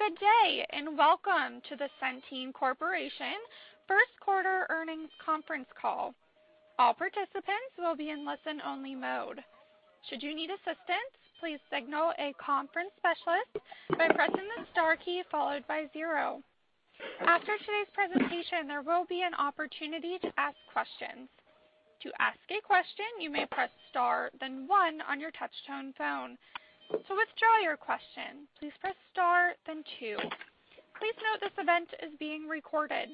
Good day. Welcome to the Centene Corporation first quarter earnings conference call. All participants will be in listen only mode. Should you need assistance, please signal a conference specialist by pressing the star key followed by zero. After today's presentation, there will be an opportunity to ask questions. To ask a question, you may press star then one on your touchtone phone. To withdraw your question, please press star then two. Please note this event is being recorded.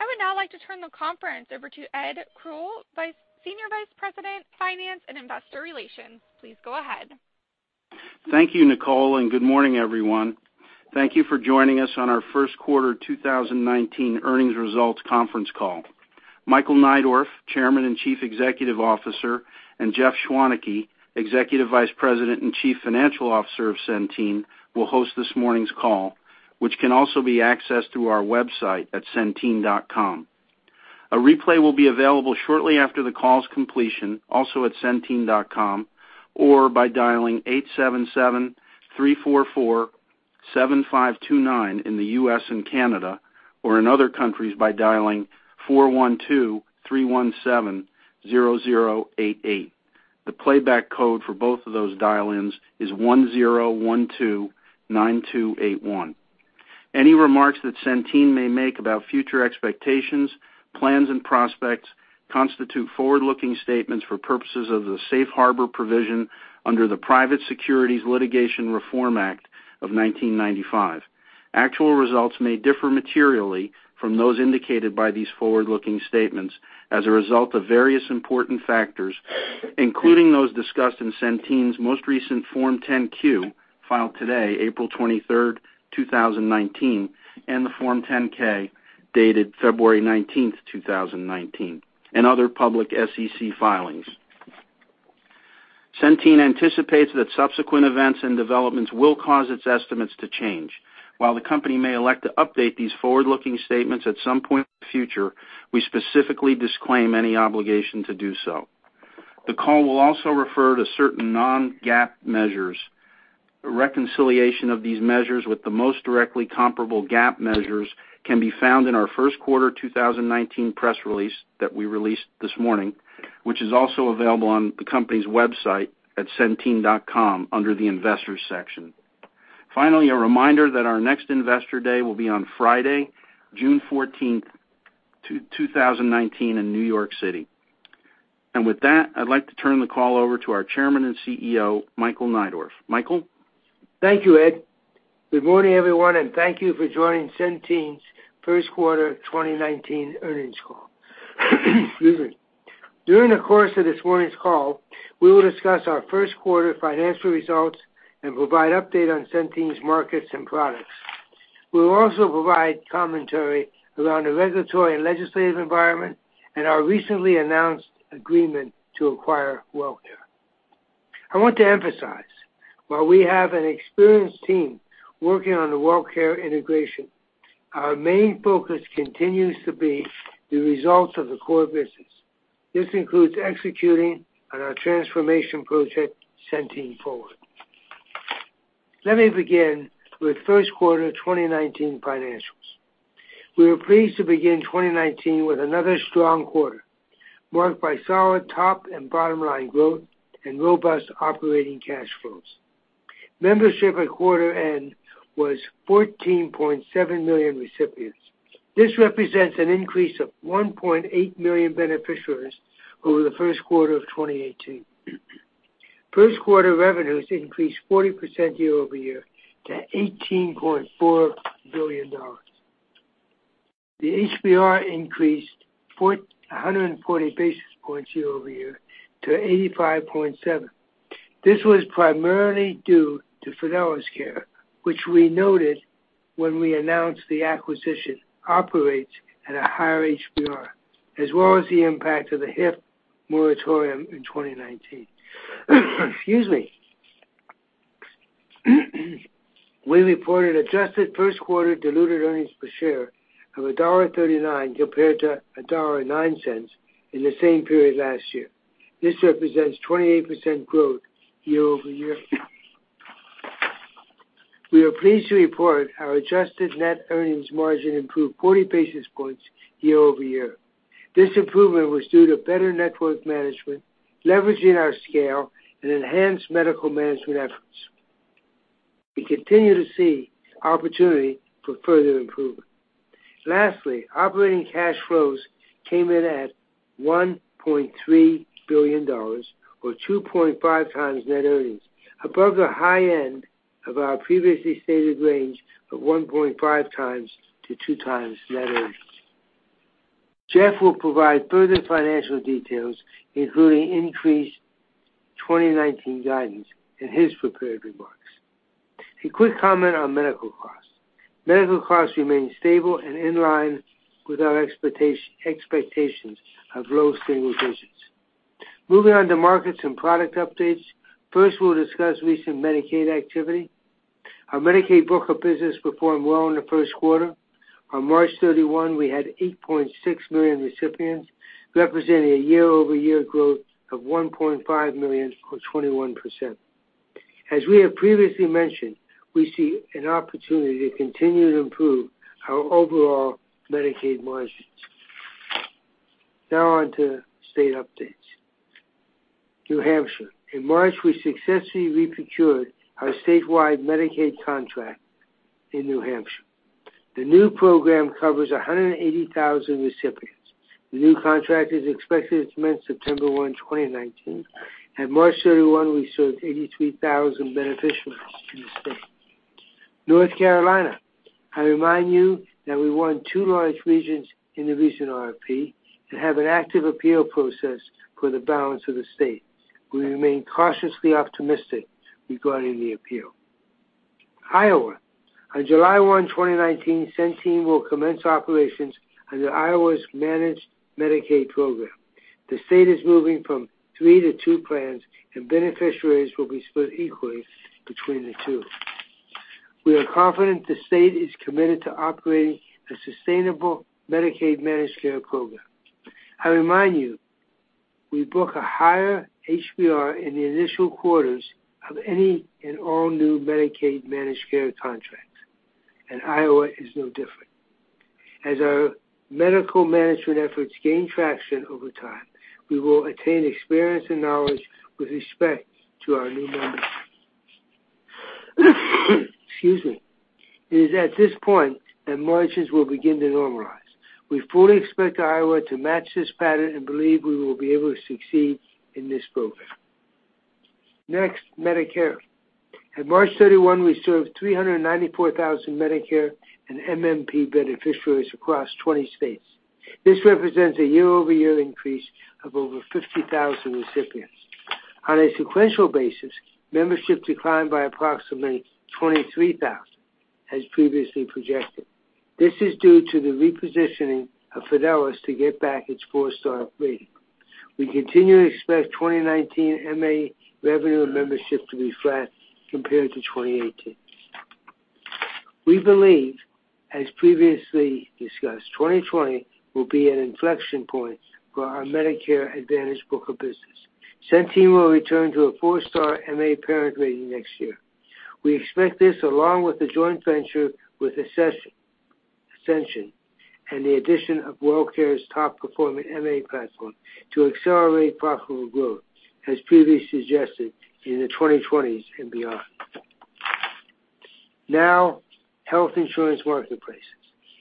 I would now like to turn the conference over to Edmund Kroll, Senior Vice President, Finance and Investor Relations. Please go ahead. Thank you, Nicole. Good morning, everyone. Thank you for joining us on our first quarter 2019 earnings results conference call. Michael Neidorff, Chairman and Chief Executive Officer, and Jeff Schwaneke, Executive Vice President and Chief Financial Officer of Centene, will host this morning's call, which can also be accessed through our website at centene.com. A replay will be available shortly after the call's completion, also at centene.com, or by dialing 877-344-7529 in the U.S., and Canada, or in other countries by dialing 412-317-0088. The playback code for both of those dial-ins is 10129281. Any remarks that Centene may make about future expectations, plans, and prospects constitute forward-looking statements for purposes of the safe harbor provision under the Private Securities Litigation Reform Act of 1995. Actual results may differ materially from those indicated by these forward-looking statements as a result of various important factors, including those discussed in Centene's most recent Form 10-Q, filed today, April 23, 2019, and the Form 10-K, dated February 19, 2019, and other public SEC filings. Centene anticipates that subsequent events and developments will cause its estimates to change. While the company may elect to update these forward-looking statements at some point in the future, we specifically disclaim any obligation to do so. The call will also refer to certain non-GAAP measures. A reconciliation of these measures with the most directly comparable GAAP measures can be found in our first quarter 2019 press release that we released this morning, which is also available on the company's website at centene.com under the investors section. Finally, a reminder that our next Investor Day will be on Friday, June 14, 2019, in New York City. With that, I'd like to turn the call over to our chairman and CEO, Michael Neidorff. Michael? Thank you, Ed. Good morning, everyone, and thank you for joining Centene's first quarter 2019 earnings call. Excuse me. During the course of this morning's call, we will discuss our first quarter financial results and provide update on Centene's markets and products. We will also provide commentary around the regulatory and legislative environment and our recently announced agreement to acquire WellCare. I want to emphasize, while we have an experienced team working on the WellCare integration, our main focus continues to be the results of the core business. This includes executing on our transformation project, Centene Forward. Let me begin with first quarter 2019 financials. We were pleased to begin 2019 with another strong quarter, marked by solid top and bottom-line growth and robust operating cash flows. Membership at quarter end was 14.7 million recipients. This represents an increase of 1.8 million beneficiaries over the first quarter of 2018. First quarter revenues increased 40% year-over-year to $18.4 billion. The HBR increased 140 basis points year-over-year to 85.7. This was primarily due to Fidelis Care, which we noted when we announced the acquisition, operates at a higher HBR, as well as the impact of the HIF moratorium in 2019. Excuse me. We reported adjusted first quarter diluted earnings per share of $1.39 compared to $1.09 in the same period last year. This represents 28% growth year-over-year. We are pleased to report our adjusted net earnings margin improved 40 basis points year-over-year. This improvement was due to better network management, leveraging our scale, and enhanced medical management efforts. We continue to see opportunity for further improvement. Lastly, operating cash flows came in at $1.3 billion, or 2.5x net earnings, above the high end of our previously stated range of 1.5x to 2x net earnings. Jeff will provide further financial details, including increased 2019 guidance in his prepared remarks. A quick comment on medical costs. Medical costs remain stable and in line with our expectations of low single digits. Moving on to markets and product updates. First, we'll discuss recent Medicaid activity. Our Medicaid book of business performed well in the first quarter. On March 31, we had 8.6 million recipients, representing a year-over-year growth of 1.5 million or 21%. As we have previously mentioned, we see an opportunity to continue to improve our overall Medicaid margins. Now on to state updates. New Hampshire. In March, we successfully re-procured our statewide Medicaid contract in New Hampshire. The new program covers 180,000 recipients. The new contract is expected to commence September 1, 2019. At March 31, we served 83,000 beneficiaries in the state. North Carolina. I remind you that we won two large regions in the region RFP and have an active appeal process for the balance of the state. We remain cautiously optimistic regarding the appeal. Iowa. On July 1, 2019, Centene will commence operations under Iowa's managed Medicaid program. The state is moving from three to two plans, and beneficiaries will be split equally between the two. We are confident the state is committed to operating a sustainable Medicaid managed care program. I remind you, we book a higher HBR in the initial quarters of any and all new Medicaid managed care contracts, and Iowa is no different. As our medical management efforts gain traction over time, we will attain experience and knowledge with respect to our new members. Excuse me. It is at this point that margins will begin to normalize. We fully expect Iowa to match this pattern and believe we will be able to succeed in this program. Next, Medicare. At March 31, we served 394,000 Medicare and MMP beneficiaries across 20 states. This represents a year-over-year increase of over 50,000 recipients. On a sequential basis, membership declined by approximately 23,000 as previously projected. This is due to the repositioning of Fidelis to get back its four-star rating. We continue to expect 2019 MA revenue and membership to be flat compared to 2018. We believe, as previously discussed, 2020 will be an inflection point for our Medicare Advantage book of business. Centene will return to a four-star MA parent rating next year. We expect this along with the joint venture with Ascension and the addition of WellCare's top-performing MA platform to accelerate profitable growth, as previously suggested in the 2020s and beyond. Now, health insurance marketplaces.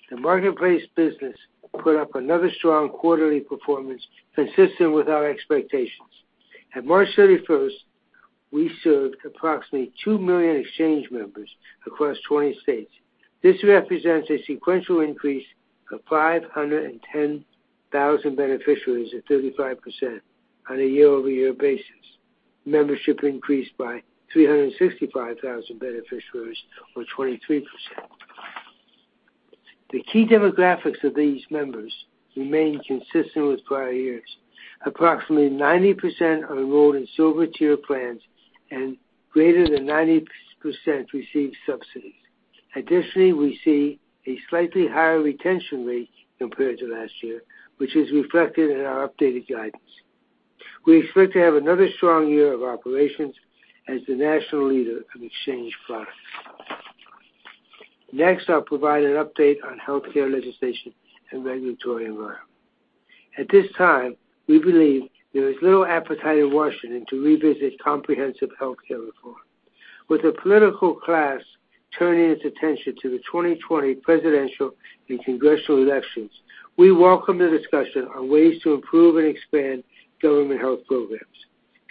The marketplace business put up another strong quarterly performance consistent with our expectations. At March 31st, we served approximately 2 million exchange members across 20 states. This represents a sequential increase of 510,000 beneficiaries at 35% on a year-over-year basis. Membership increased by 365,000 beneficiaries or 23%. The key demographics of these members remain consistent with prior years. Approximately 90% are enrolled in Silver tier plans and greater than 90% receive subsidies. Additionally, we see a slightly higher retention rate compared to last year, which is reflected in our updated guidance. We expect to have another strong year of operations as the national leader of exchange products. Next, I'll provide an update on healthcare legislation and regulatory environment. At this time, we believe there is little appetite in Washington to revisit comprehensive healthcare reform. With the political class turning its attention to the 2020 presidential and congressional elections, we welcome the discussion on ways to improve and expand government health programs.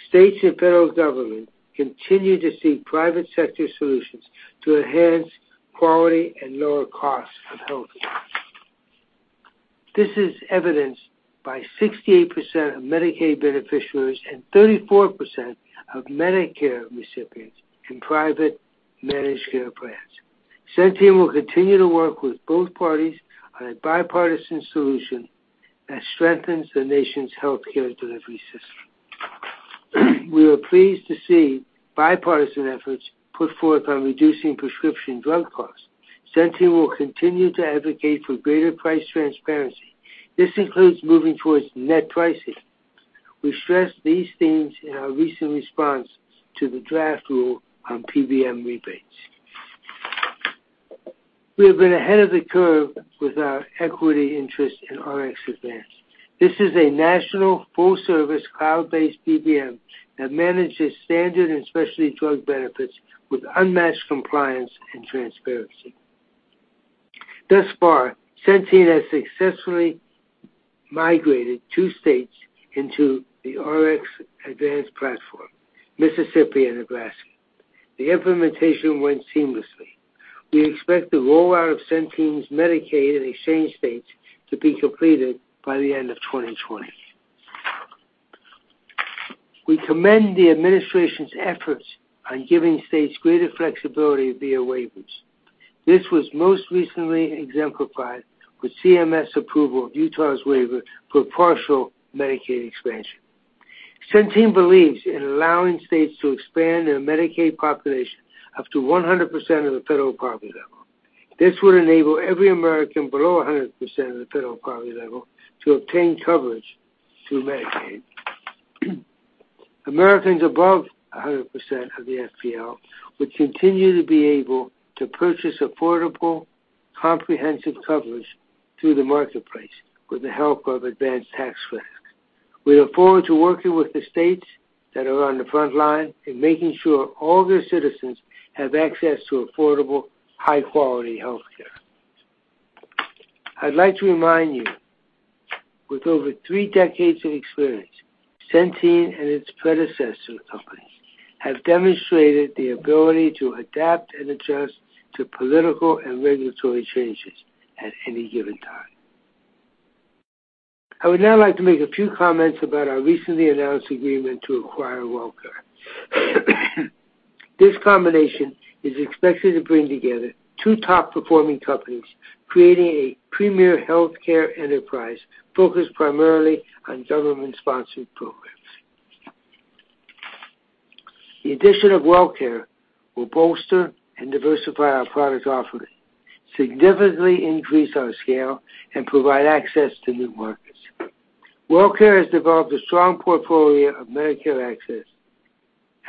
States and federal government continue to seek private sector solutions to enhance quality and lower costs of healthcare. This is evidenced by 68% of Medicaid beneficiaries and 34% of Medicare recipients in private managed care plans. Centene will continue to work with both parties on a bipartisan solution that strengthens the nation's healthcare delivery system. We are pleased to see bipartisan efforts put forth on reducing prescription drug costs. Centene will continue to advocate for greater price transparency. This includes moving towards net pricing. We stressed these things in our recent response to the draft rule on PBM rebates. We have been ahead of the curve with our equity interest in RxAdvance. This is a national full-service cloud-based PBM that manages standard and specialty drug benefits with unmatched compliance and transparency. Thus far, Centene has successfully migrated two states into the RxAdvance platform, Mississippi and Nebraska. The implementation went seamlessly. We expect the rollout of Centene's Medicaid and Exchange states to be completed by the end of 2020. We commend the administration's efforts on giving states greater flexibility via waivers. This was most recently exemplified with CMS approval of Utah's waiver for partial Medicaid expansion. Centene believes in allowing states to expand their Medicaid population up to 100% of the federal poverty level. This would enable every American below 100% of the federal poverty level to obtain coverage through Medicaid. Americans above 100% of the FPL would continue to be able to purchase affordable, comprehensive coverage through the marketplace with the help of advanced tax credits. We look forward to working with the states that are on the front line in making sure all their citizens have access to affordable, high-quality healthcare. I'd like to remind you, with over three decades of experience, Centene and its predecessor companies have demonstrated the ability to adapt and adjust to political and regulatory changes at any given time. I would now like to make a few comments about our recently announced agreement to acquire WellCare. This combination is expected to bring together two top-performing companies, creating a premier healthcare enterprise focused primarily on government-sponsored programs. The addition of WellCare will bolster and diversify our product offering, significantly increase our scale, and provide access to new markets. WellCare has developed a strong portfolio of Medicare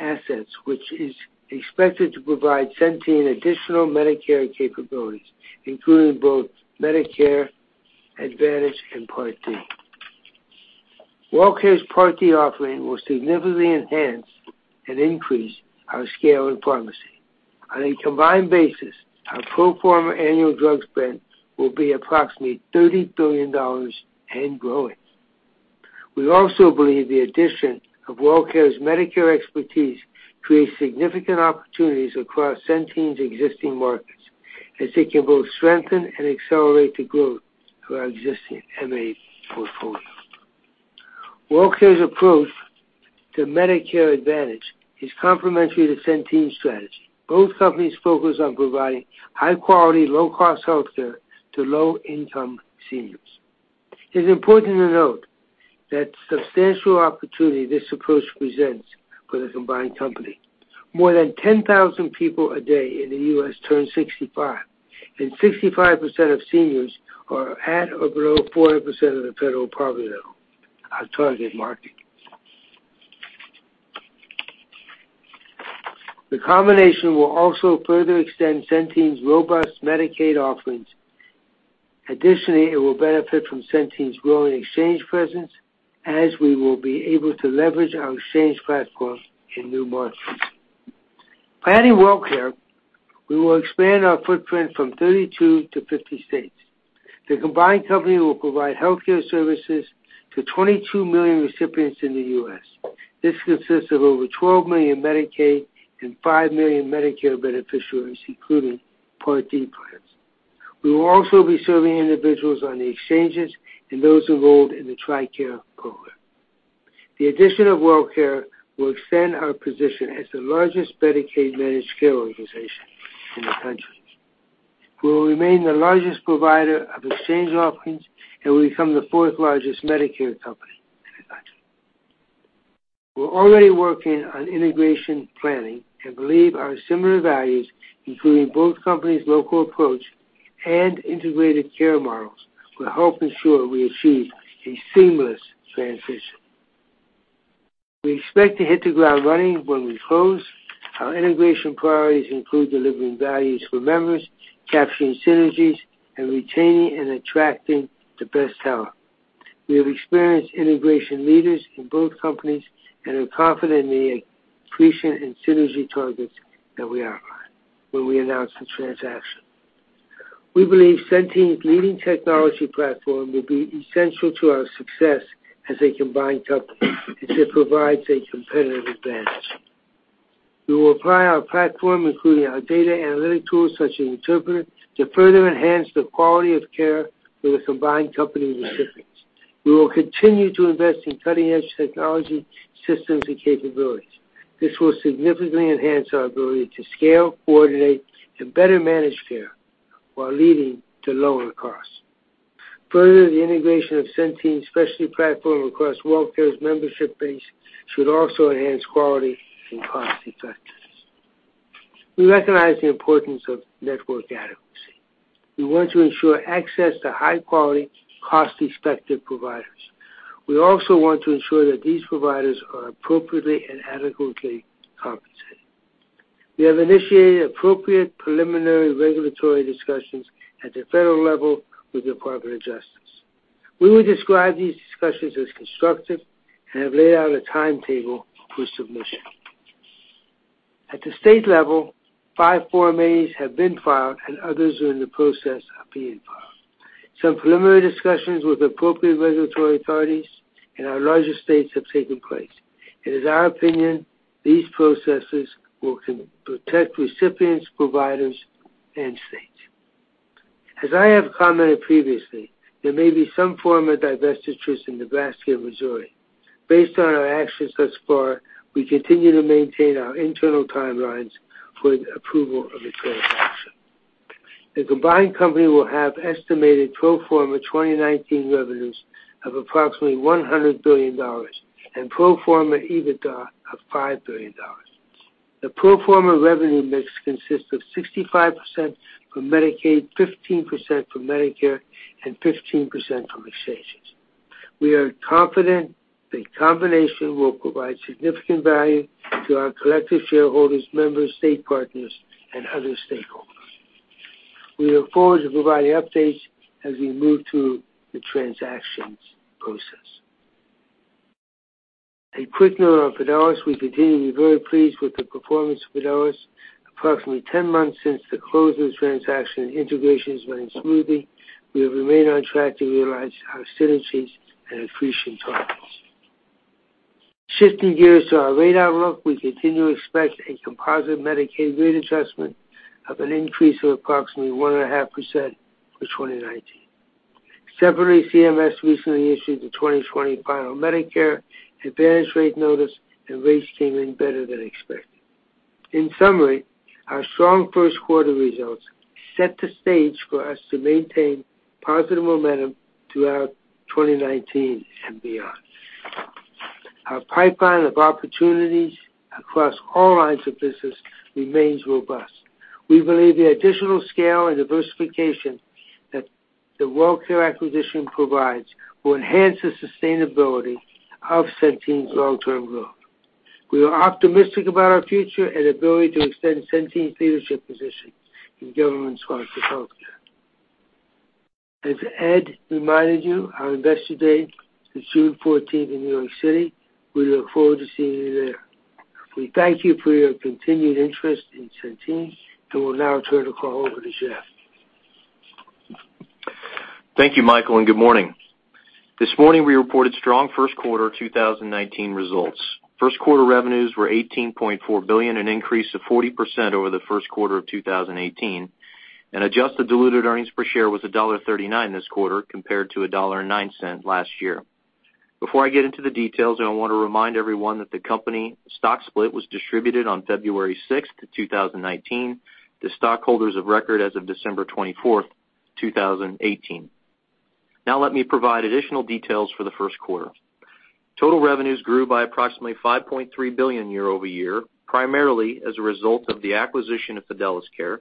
assets, which is expected to provide Centene additional Medicare capabilities, including both Medicare Advantage and Part D. WellCare's Part D offering will significantly enhance and increase our scale and pharmacy. On a combined basis, our pro forma annual drug spend will be approximately $30 billion and growing. We also believe the addition of WellCare's Medicare expertise creates significant opportunities across Centene's existing markets, as they can both strengthen and accelerate the growth of our existing MA portfolio. WellCare's approach to Medicare Advantage is complementary to Centene's strategy. Both companies focus on providing high-quality, low-cost healthcare to low-income seniors. It's important to note that substantial opportunity this approach presents for the combined company. More than 10,000 people a day in the U.S., turn 65, and 65% of seniors are at or below 400% of the federal poverty level, our target market. The combination will also further extend Centene's robust Medicaid offerings. Additionally, it will benefit from Centene's growing exchange presence as we will be able to leverage our exchange platform in new markets. By adding WellCare, we will expand our footprint from 32 to 50 states. The combined company will provide healthcare services to 22 million recipients in the U.S.,. This consists of over 12 million Medicaid and five million Medicare beneficiaries, including Part D plans. We will also be serving individuals on the exchanges and those enrolled in the TRICARE program. The addition of WellCare will extend our position as the largest Medicaid managed care organization in the country. We will remain the largest provider of exchange offerings and will become the fourth largest Medicare company in the country. We're already working on integration planning and believe our similar values, including both companies' local approach and integrated care models, will help ensure we achieve a seamless transition. We expect to hit the ground running when we close. Our integration priorities include delivering values for members, capturing synergies, and retaining and attracting the best talent. We have experienced integration leaders in both companies and are confident in the accretion and synergy targets that we outlined when we announced the transaction. We believe Centene's leading technology platform will be essential to our success as a combined company, as it provides a competitive advantage. We will apply our platform, including our data analytic tools such as Interpreter, to further enhance the quality of care for the combined company recipients. We will continue to invest in cutting-edge technology, systems, and capabilities. This will significantly enhance our ability to scale, coordinate, and better manage care while leading to lower costs. The integration of Centene's specialty platform across WellCare's membership base should also enhance quality and cost effectiveness. We recognize the importance of network adequacy. We want to ensure access to high-quality, cost-effective providers. We also want to ensure that these providers are appropriately and adequately compensated. We have initiated appropriate preliminary regulatory discussions at the federal level with the Department of Justice. We would describe these discussions as constructive and have laid out a timetable for submission. At the state level, 5 Form As have been filed and others are in the process of being filed. Some preliminary discussions with appropriate regulatory authorities in our larger states have taken place. It is our opinion these processes will protect recipients, providers, and states. As I have commented previously, there may be some form of divestitures in Nebraska and Missouri. Based on our actions thus far, we continue to maintain our internal timelines for the approval of the transaction. The combined company will have estimated pro forma 2019 revenues of approximately $100 billion and pro forma EBITDA of $5 billion. The pro forma revenue mix consists of 65% from Medicaid, 15% from Medicare, and 15% from exchanges. We are confident the combination will provide significant value to our collective shareholders, members, state partners, and other stakeholders. We look forward to providing updates as we move through the transactions process. A quick note on Fidelis. We continue to be very pleased with the performance of Fidelis. Approximately 10 months since the close of the transaction, integration is running smoothly. We have remained on track to realize our synergies and accretion targets. Shifting gears to our rate outlook, we continue to expect a composite Medicaid rate adjustment of an increase of approximately 1.5% for 2019. CMS recently issued the 2020 final Medicare Advantage rate notice, and rates came in better than expected. In summary, our strong first quarter results set the stage for us to maintain positive momentum throughout 2019 and beyond. Our pipeline of opportunities across all lines of business remains robust. We believe the additional scale and diversification that the WellCare acquisition provides will enhance the sustainability of Centene's long-term growth. We are optimistic about our future and ability to extend Centene's leadership position in government-sponsored healthcare. As Ed reminded you, our Investor Day is June 14th in New York City. We look forward to seeing you there. We thank you for your continued interest in Centene and will now turn the call over to Jeff. Thank you, Michael. Good morning. This morning, we reported strong first quarter 2019 results. First quarter revenues were $18.4 billion, an increase of 40% over the first quarter of 2018. Adjusted diluted earnings per share was $1.39 this quarter, compared to $1.09 last year. Before I get into the details, I want to remind everyone that the company stock split was distributed on February 6th, 2019 to stockholders of record as of December 24th, 2018. Now let me provide additional details for the first quarter. Total revenues grew by approximately $5.3 billion year-over-year, primarily as a result of the acquisition of Fidelis Care,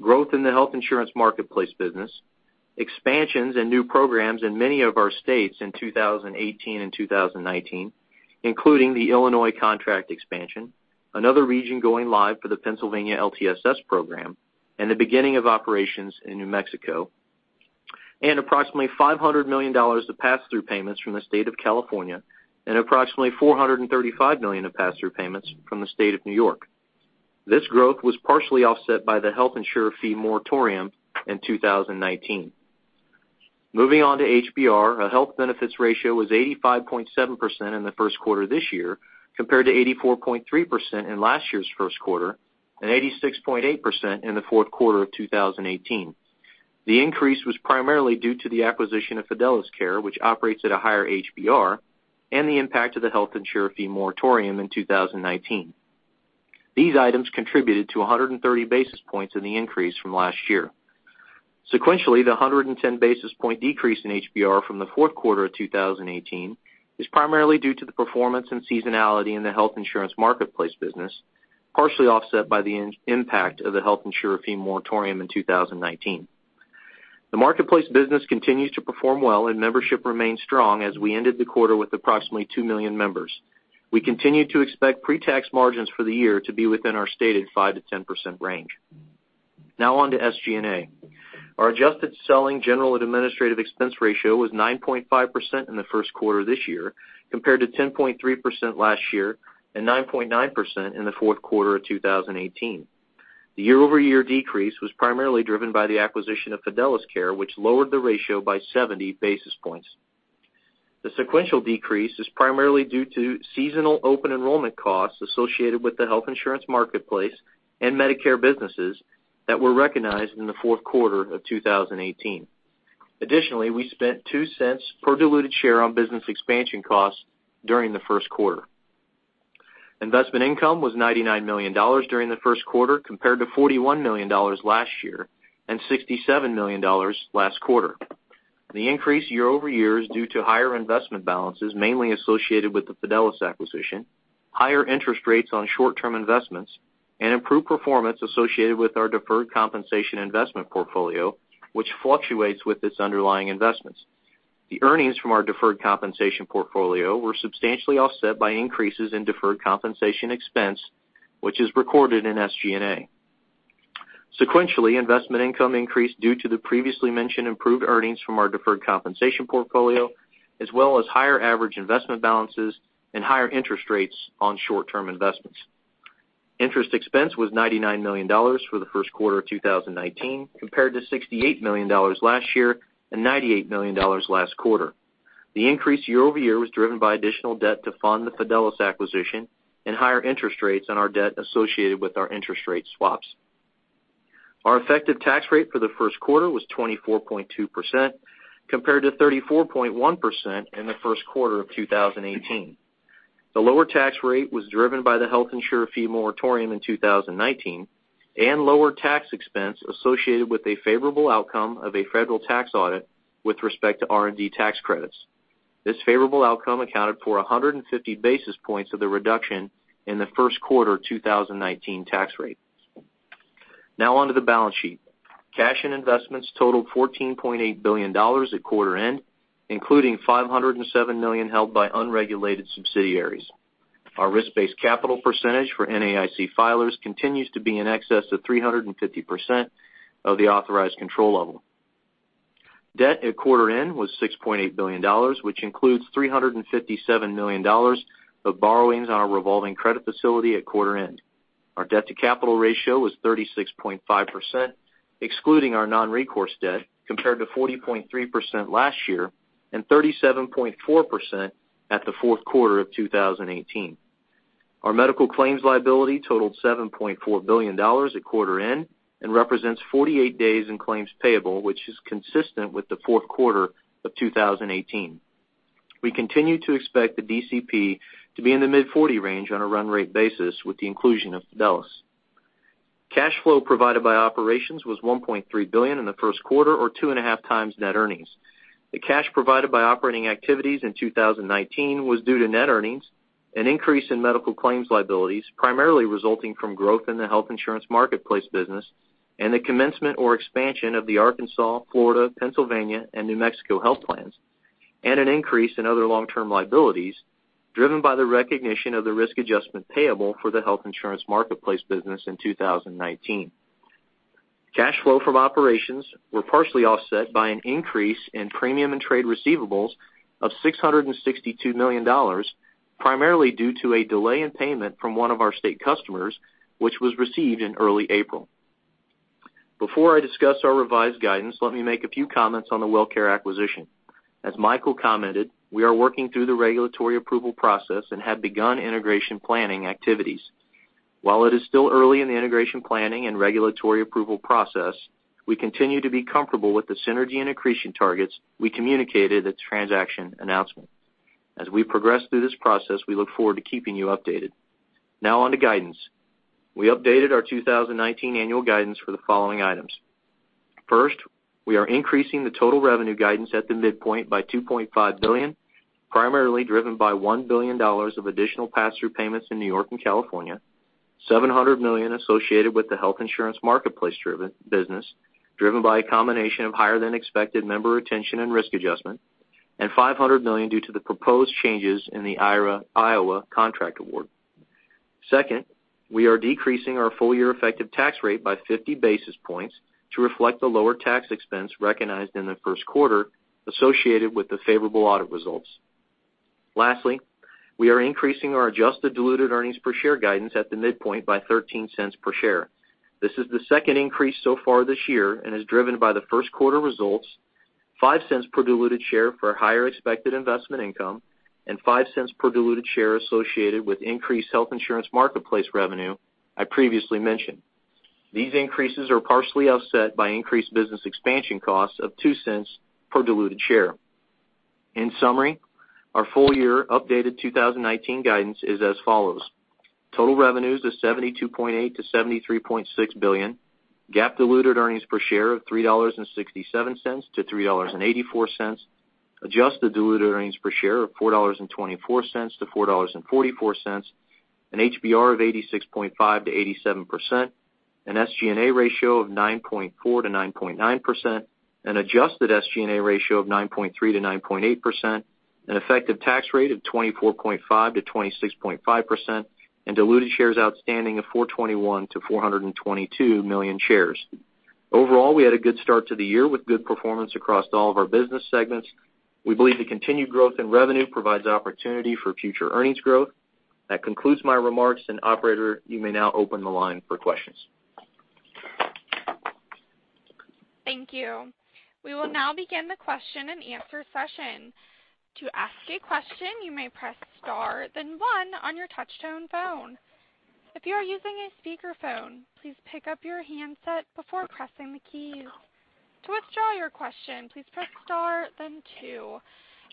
growth in the Health Insurance Marketplace business, expansions and new programs in many of our states in 2018 and 2019, including the Illinois contract expansion, another region going live for the Pennsylvania LTSS program, and the beginning of operations in New Mexico, and approximately $500 million of pass-through payments from the state of California, and approximately $435 million of pass-through payments from the state of New York. This growth was partially offset by the health insurer fee moratorium in 2019. Moving on to HBR, our health benefits ratio was 85.7% in the first quarter this year, compared to 84.3% in last year's first quarter and 86.8% in the fourth quarter of 2018. The increase was primarily due to the acquisition of Fidelis Care, which operates at a higher HBR, and the impact of the health insurer fee moratorium in 2019. These items contributed to 130 basis points in the increase from last year. Sequentially, the 110 basis point decrease in HBR from the fourth quarter of 2018 is primarily due to the performance and seasonality in the Health Insurance Marketplace business, partially offset by the impact of the health insurer fee moratorium in 2019. The marketplace business continues to perform well, and membership remains strong as we ended the quarter with approximately 2 million members. We continue to expect pre-tax margins for the year to be within our stated 5%-10% range. Now on to SG&A. Our adjusted selling, general, and administrative expense ratio was 9.5% in the first quarter of this year, compared to 10.3% last year and 9.9% in the fourth quarter of 2018. The year-over-year decrease was primarily driven by the acquisition of Fidelis Care, which lowered the ratio by 70 basis points. The sequential decrease is primarily due to seasonal open enrollment costs associated with the Health Insurance Marketplace and Medicare businesses that were recognized in the fourth quarter of 2018. Additionally, we spent $0.02 per diluted share on business expansion costs during the first quarter. Investment income was $99 million during the first quarter, compared to $41 million last year and $67 million last quarter. The increase year-over-year is due to higher investment balances, mainly associated with the Fidelis acquisition, higher interest rates on short-term investments, and improved performance associated with our deferred compensation investment portfolio, which fluctuates with its underlying investments. The earnings from our deferred compensation portfolio were substantially offset by increases in deferred compensation expense, which is recorded in SG&A. Sequentially, investment income increased due to the previously mentioned improved earnings from our deferred compensation portfolio, as well as higher average investment balances and higher interest rates on short-term investments. Interest expense was $99 million for the first quarter of 2019, compared to $68 million last year and $98 million last quarter. The increase year-over-year was driven by additional debt to fund the Fidelis acquisition and higher interest rates on our debt associated with our interest rate swaps. Our effective tax rate for the first quarter was 24.2%, compared to 34.1% in the first quarter of 2018. The lower tax rate was driven by the Health Insurer Fee moratorium in 2019 and lower tax expense associated with a favorable outcome of a federal tax audit with respect to R&D tax credits. This favorable outcome accounted for 150 basis points of the reduction in the first quarter of 2019 tax rate. Now on to the balance sheet. Cash and investments totaled $14.8 billion at quarter end, including $507 million held by unregulated subsidiaries. Our risk-based capital percentage for NAIC filers continues to be in excess of 350% of the authorized control level. Debt at quarter end was $6.8 billion, which includes $357 million of borrowings on our revolving credit facility at quarter end. Our debt-to-capital ratio was 36.5%, excluding our non-recourse debt, compared to 40.3% last year and 37.4% at the fourth quarter of 2018. Our medical claims liability totaled $7.4 billion at quarter end and represents 48 days in claims payable, which is consistent with the fourth quarter of 2018. We continue to expect the DCP to be in the mid-40 range on a run-rate basis with the inclusion of Fidelis. Cash flow provided by operations was $1.3 billion in the first quarter, or two and a half times net earnings. The cash provided by operating activities in 2019 was due to net earnings, an increase in medical claims liabilities, primarily resulting from growth in the Health Insurance Marketplace business and the commencement or expansion of the Arkansas, Florida, Pennsylvania, and New Mexico health plans, and an increase in other long-term liabilities driven by the recognition of the risk adjustment payable for the Health Insurance Marketplace business in 2019. Cash flow from operations were partially offset by an increase in premium and trade receivables of $662 million, primarily due to a delay in payment from one of our state customers, which was received in early April. Before I discuss our revised guidance, let me make a few comments on the WellCare acquisition. As Michael commented, we are working through the regulatory approval process and have begun integration planning activities. While it is still early in the integration planning and regulatory approval process, we continue to be comfortable with the synergy and accretion targets we communicated at the transaction announcement. As we progress through this process, we look forward to keeping you updated. Now on to guidance. We updated our 2019 annual guidance for the following items. First, we are increasing the total revenue guidance at the midpoint by $2.5 billion, primarily driven by $1 billion of additional pass-through payments in New York and California, $700 million associated with the Health Insurance Marketplace business, driven by a combination of higher-than-expected member retention and risk adjustment, and $500 million due to the proposed changes in the Iowa contract award. Second, we are decreasing our full-year effective tax rate by 50 basis points to reflect the lower tax expense recognized in the first quarter associated with the favorable audit results. Lastly, we are increasing our adjusted diluted earnings per share guidance at the midpoint by $0.13 per share. This is the second increase so far this year and is driven by the first quarter results, $0.05 per diluted share for higher expected investment income, and $0.05 per diluted share associated with increased Health Insurance Marketplace revenue I previously mentioned. These increases are partially offset by increased business expansion costs of $0.02 per diluted share. In summary, our full-year updated 2019 guidance is as follows. Total revenues of $72.8 billion-$73.6 billion, GAAP diluted earnings per share of $3.67-$3.84, adjusted diluted earnings per share of $4.24-$4.44, an HBR of 86.5%-87%, an SG&A ratio of 9.4%-9.9%, an adjusted SG&A ratio of 9.3%-9.8%, an effective tax rate of 24.5%-26.5%, and diluted shares outstanding of 421 million-422 million shares. Overall, we had a good start to the year with good performance across all of our business segments. We believe the continued growth in revenue provides opportunity for future earnings growth. That concludes my remarks. Operator, you may now open the line for questions. Thank you. We will now begin the question and answer session. To ask a question, you may press star, then one on your touch-tone phone. If you are using a speakerphone, please pick up your handset before pressing the keys. To withdraw your question, please press star, then two.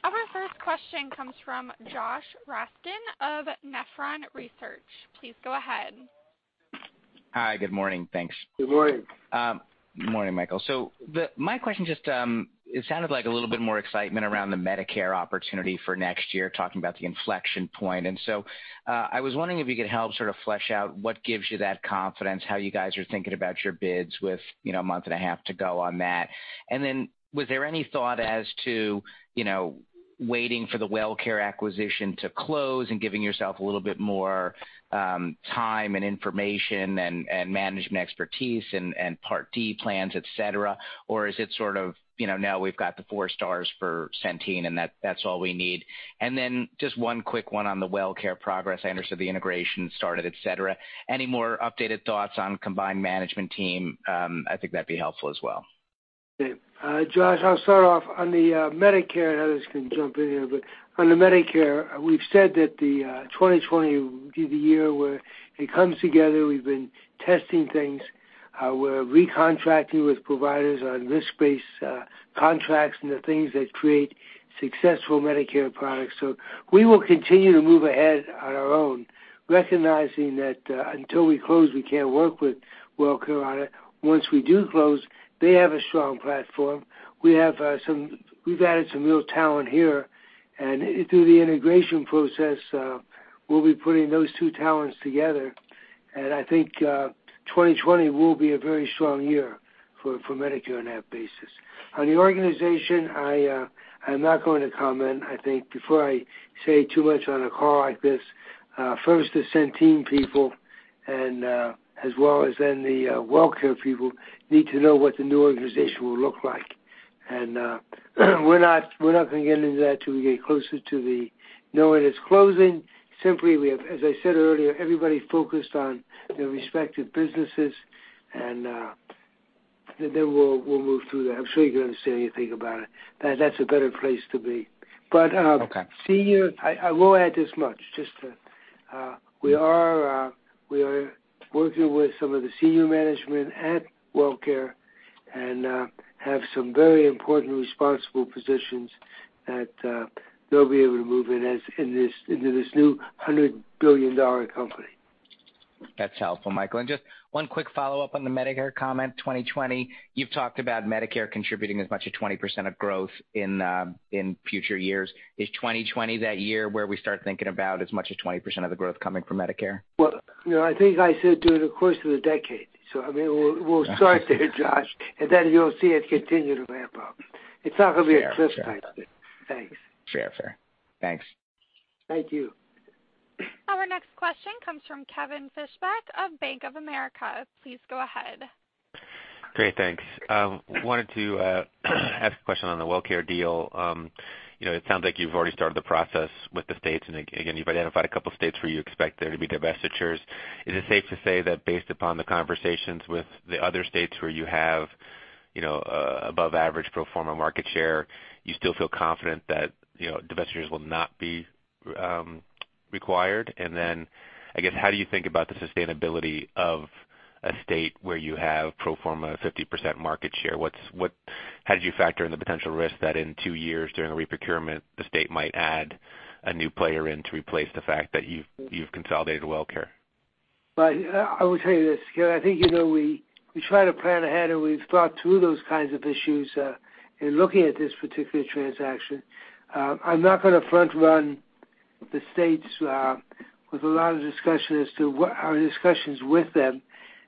Our first question comes from Josh Raskin of Nephron Research. Please go ahead. Hi. Good morning. Thanks. Good morning. My question just, it sounded like a little bit more excitement around the Medicare opportunity for next year, talking about the inflection point. I was wondering if you could help sort of flesh out what gives you that confidence, how you guys are thinking about your bids with a month and a half to go on that. Was there any thought as to waiting for the WellCare acquisition to close and giving yourself a little bit more time and information and management expertise and Part D plans, et cetera? Is it sort of now we've got the four stars for Centene, and that's all we need? Just one quick one on the WellCare progress. I understood the integration started, et cetera. Any more updated thoughts on combined management team? I think that'd be helpful as well. Okay. Josh, I'll start off on the Medicare, others can jump in here. On the Medicare, we've said that the 2020 will be the year where it comes together. We've been testing things. We're recontracting with providers on risk-based contracts and the things that create successful Medicare products. We will continue to move ahead on our own, recognizing that until we close, we can't work with WellCare on it. Once we do close, they have a strong platform. We've added some real talent here, and through the integration process, we'll be putting those two talents together. I think 2020 will be a very strong year for Medicare on that basis. On the organization, I'm not going to comment. I think before I say too much on a call like this, first the Centene people, as well as then the WellCare people, need to know what the new organization will look like. We're not going to get into that till we get closer to knowing its closing. Simply, as I said earlier, everybody focused on their respective businesses, we'll move through that. I'm sure you can understand anything about it. That's a better place to be. Okay. Senior, I will add this much. We are working with some of the senior management at WellCare and have some very important responsible positions that they'll be able to move into this new $100 billion company. That's helpful, Michael. Just one quick follow-up on the Medicare comment, 2020. You've talked about Medicare contributing as much as 20% of growth in future years. Is 2020 that year where we start thinking about as much as 20% of the growth coming from Medicare? I think I said during the course of the decade. I mean, we'll start there, Josh, then you'll see it continue to ramp up. It's not going to be a cliff type. Fair. Thanks. Fair. Thanks. Thank you. Our next question comes from Kevin Fischbeck of Bank of America. Please go ahead. Great. Thanks. Wanted to ask a question on the WellCare deal. It sounds like you've already started the process with the states. Again, you've identified a couple states where you expect there to be divestitures. Is it safe to say that based upon the conversations with the other states where you have above average pro forma market share, you still feel confident that divestitures will not be required? Then, I guess, how do you think about the sustainability of a state where you have pro forma 50% market share? How did you factor in the potential risk that in two years during a re-procurement, the state might add a new player in to replace the fact that you've consolidated WellCare? I will tell you this, Kevin. I think we try to plan ahead, and we've thought through those kinds of issues in looking at this particular transaction. I'm not going to front run the states with a lot of discussion as to our discussions with them.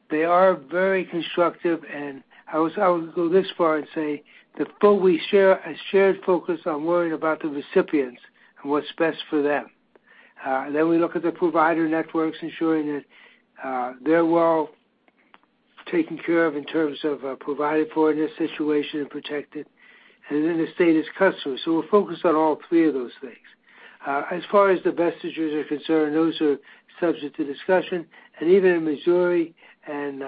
They are very constructive, and I would go this far and say that we share a shared focus on worrying about the recipients and what's best for them. We look at the provider networks, ensuring that they're well taken care of in terms of provided for in this situation and protected, and then the state is customer. We're focused on all three of those things. As far as divestitures are concerned, those are subject to discussion. Even in Missouri and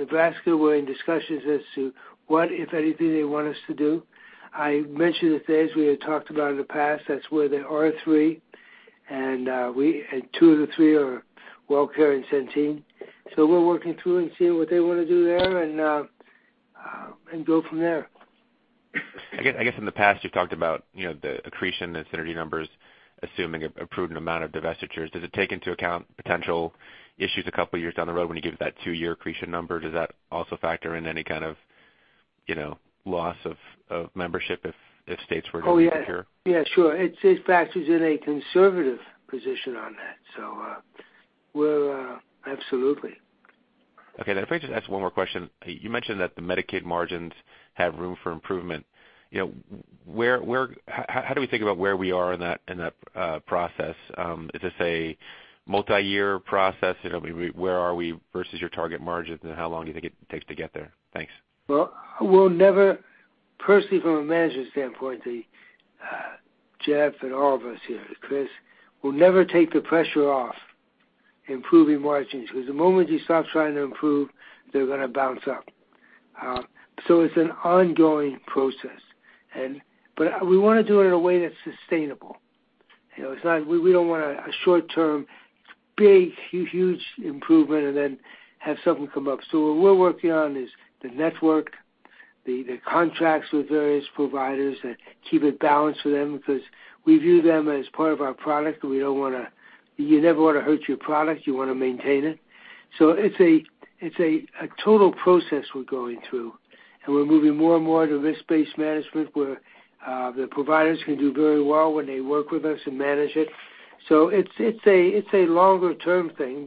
Nebraska, we're in discussions as to what, if anything, they want us to do. I mentioned the things we had talked about in the past. That's where there are three, and two of the three are WellCare and Centene. We're working through and seeing what they want to do there and go from there. I guess in the past, you've talked about the accretion, the synergy numbers, assuming a prudent amount of divestitures. Does it take into account potential issues a couple of years down the road when you give that 2-year accretion number? Does that also factor in any kind of loss of membership if states were to Oh, yeah. -divestiture? Yeah, sure. It factors in a conservative position on that. Absolutely. Okay. If I could just ask one more question. You mentioned that the Medicaid margins have room for improvement. How do we think about where we are in that process? Is this a multi-year process? Where are we versus your target margin, and how long do you think it takes to get there? Thanks. Well, personally from a management standpoint, Jeff and all of us here, Chris, we'll never take the pressure off improving margins because the moment you stop trying to improve, they're going to bounce up. It's an ongoing process. We want to do it in a way that's sustainable. We don't want a short-term, big, huge improvement and then have something come up. What we're working on is the network, the contracts with various providers that keep it balanced for them because we view them as part of our product. You never want to hurt your product. You want to maintain it. It's a total process we're going through, and we're moving more and more to risk-based management where the providers can do very well when they work with us and manage it. It's a longer-term thing,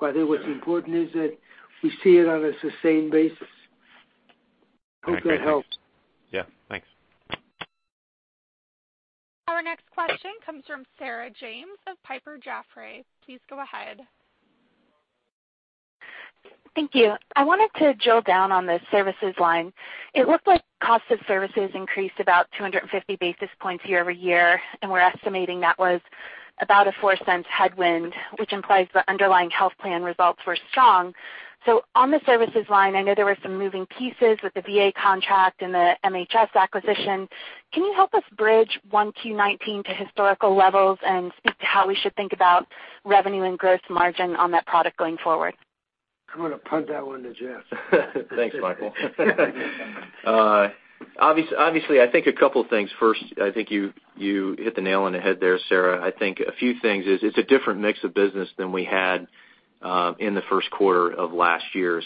I think what's important is that we see it on a sustained basis. Hope that helps. Yeah. Thanks. Our next question comes from Sarah James of Piper Jaffray. Please go ahead. Thank you. I wanted to drill down on the services line. It looked like cost of services increased about 250 basis points year-over-year. We're estimating that was about a $0.04 headwind, which implies the underlying health plan results were strong. On the services line, I know there were some moving pieces with the VA contract and the MHS acquisition. Can you help us bridge 1Q 2019 to historical levels and speak to how we should think about revenue and gross margin on that product going forward? I'm going to punt that one to Jeff. Thanks, Michael. Obviously, I think a couple of things. First, I think you hit the nail on the head there, Sarah. I think a few things is, it's a different mix of business than we had in the first quarter of last year.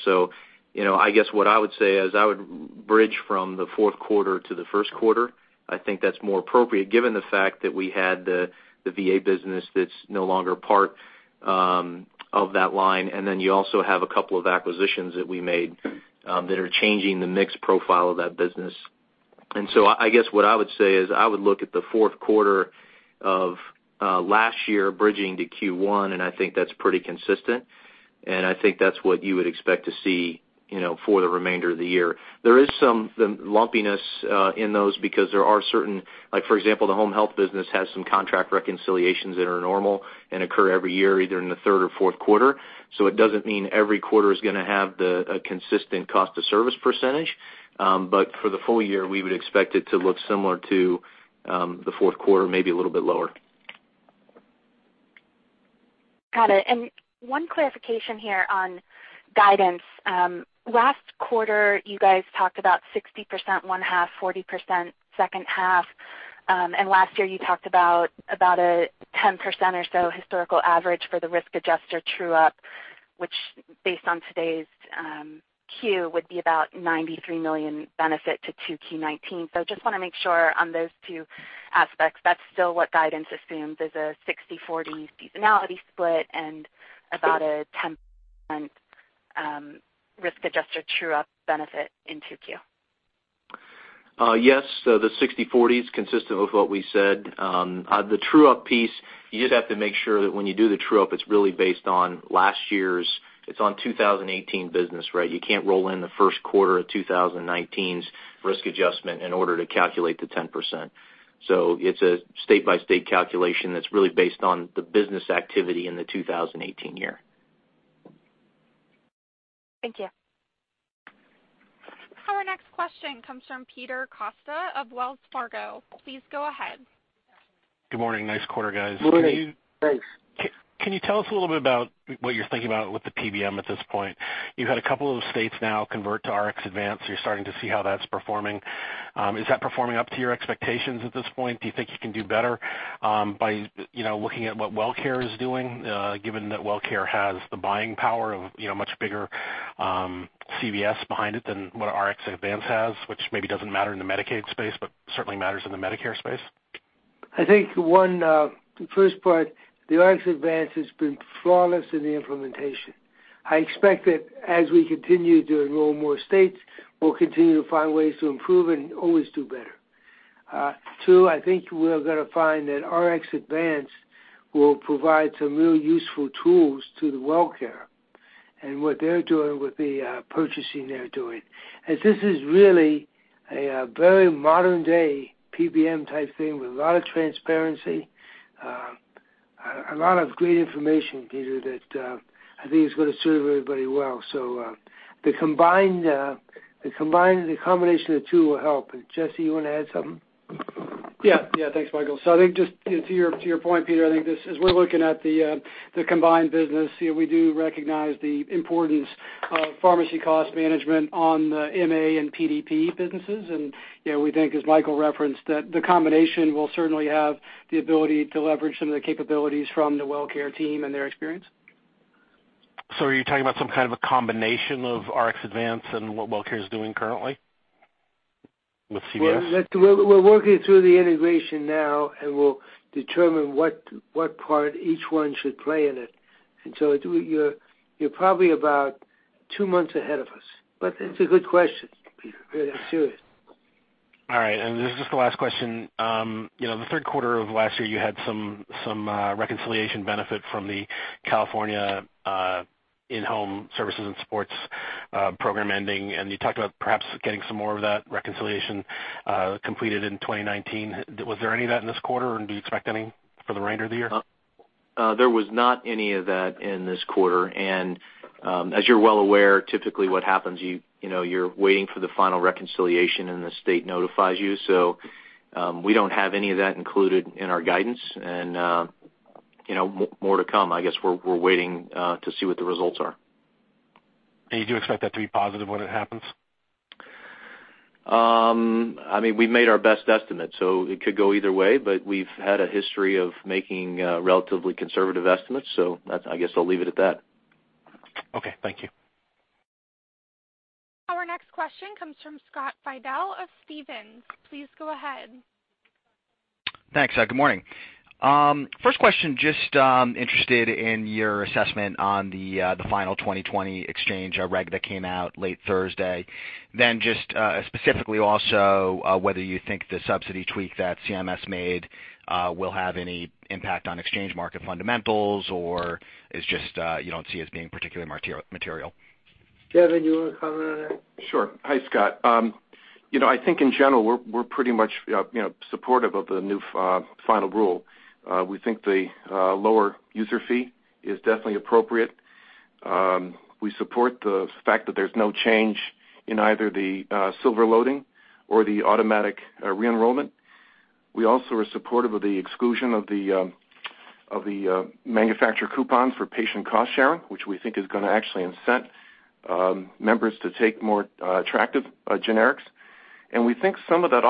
I guess what I would say is I would bridge from the fourth quarter to the first quarter. I think that's more appropriate given the fact that we had the VA business that's no longer part of that line. Then you also have a couple of acquisitions that we made that are changing the mix profile of that business. I guess what I would say is I would look at the fourth quarter of last year bridging to Q1, and I think that's pretty consistent, and I think that's what you would expect to see for the remainder of the year. There is some lumpiness in those because there are certain, like for example, the home health business has some contract reconciliations that are normal and occur every year, either in the third or fourth quarter. It doesn't mean every quarter is going to have a consistent cost to service %. For the full year, we would expect it to look similar to the fourth quarter, maybe a little bit lower. Got it. One clarification here on guidance. Last quarter, you guys talked about 60% one half, 40% second half. Last year, you talked about a 10% or so historical average for the risk adjuster true-up, which based on today's Q, would be about $93 million benefit to 2Q 2019. Just want to make sure on those two aspects, that's still what guidance assumes, is a 60/40 seasonality split, and about a 10% risk adjuster true-up benefit in 2Q. Yes. The 60/40 is consistent with what we said. The true-up piece, you just have to make sure that when you do the true-up, it's really based on last year's, it's on 2018 business. You can't roll in the first quarter of 2019's risk adjustment in order to calculate the 10%. It's a state-by-state calculation that's really based on the business activity in the 2018 year. Thank you. Our next question comes from Peter Costa of Wells Fargo. Please go ahead. Good morning. Nice quarter, guys. Good morning. Thanks. Can you tell us a little bit about what you're thinking about with the PBM at this point? You've had a couple of states now convert to RxAdvance. You're starting to see how that's performing. Is that performing up to your expectations at this point? Do you think you can do better by looking at what WellCare is doing, given that WellCare has the buying power of much bigger CVS behind it than what RxAdvance has, which maybe doesn't matter in the Medicaid space, but certainly matters in the Medicare space? I think the first part, RxAdvance has been flawless in the implementation. I expect that as we continue to enroll more states, we'll continue to find ways to improve and always do better. Two, I think we're going to find that RxAdvance will provide some real useful tools to WellCare, and what they're doing with the purchasing they're doing. As this is really a very modern-day PBM type thing with a lot of transparency, a lot of great information, Peter, that I think is going to serve everybody well. The combination of the two will help. Jesse, you want to add something? Yeah. Thanks, Michael. I think just to your point, Peter, I think as we're looking at the combined business, we do recognize the importance of pharmacy cost management on the MA and PDP businesses. We think, as Michael referenced, that the combination will certainly have the ability to leverage some of the capabilities from the WellCare team and their experience. Are you talking about some kind of a combination of RxAdvance and what WellCare is doing currently with CVS? We're working through the integration now, and we'll determine what part each one should play in it. You're probably about two months ahead of us. It's a good question, Peter. Really, I'm serious. All right. This is the last question. The third quarter of last year, you had some reconciliation benefit from the California in-home services and supports program ending, and you talked about perhaps getting some more of that reconciliation completed in 2019. Was there any of that in this quarter, and do you expect any for the remainder of the year? There was not any of that in this quarter. As you're well aware, typically what happens, you're waiting for the final reconciliation, and the state notifies you. We don't have any of that included in our guidance, and more to come. I guess we're waiting to see what the results are. Do you expect that to be positive when it happens? We made our best estimate, it could go either way. We've had a history of making relatively conservative estimates, I guess I'll leave it at that. Okay, thank you. Our next question comes from Scott Fidel of Stephens. Please go ahead. Thanks. Good morning. First question, just interested in your assessment on the final 2020 exchange reg that came out late Thursday. Just specifically also, whether you think the subsidy tweak that CMS made will have any impact on exchange market fundamentals or you don't see as being particularly material. Kevin, you want to comment on that? Sure. Hi, Scott.I think in general, we're pretty much supportive of the new final rule. We think the lower user fee is definitely appropriate. We support the fact that there's no change in either the silver loading or the automatic re-enrollment. We also are supportive of the exclusion of the manufacturer coupons for patient cost sharing, which we think is going to actually incent members to take more attractive generics. We think some of that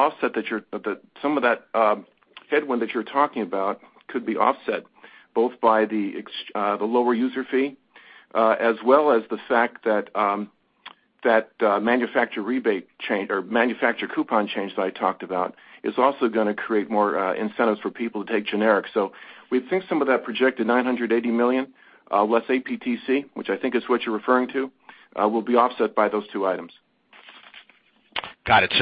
headwind that you're talking about could be offset both by the lower user fee, as well as the fact that manufacturer coupon change that I talked about is also going to create more incentives for people to take generics. We think some of that projected $980 million, less APTC, which I think is what you're referring to, will be offset by those two items. Got it.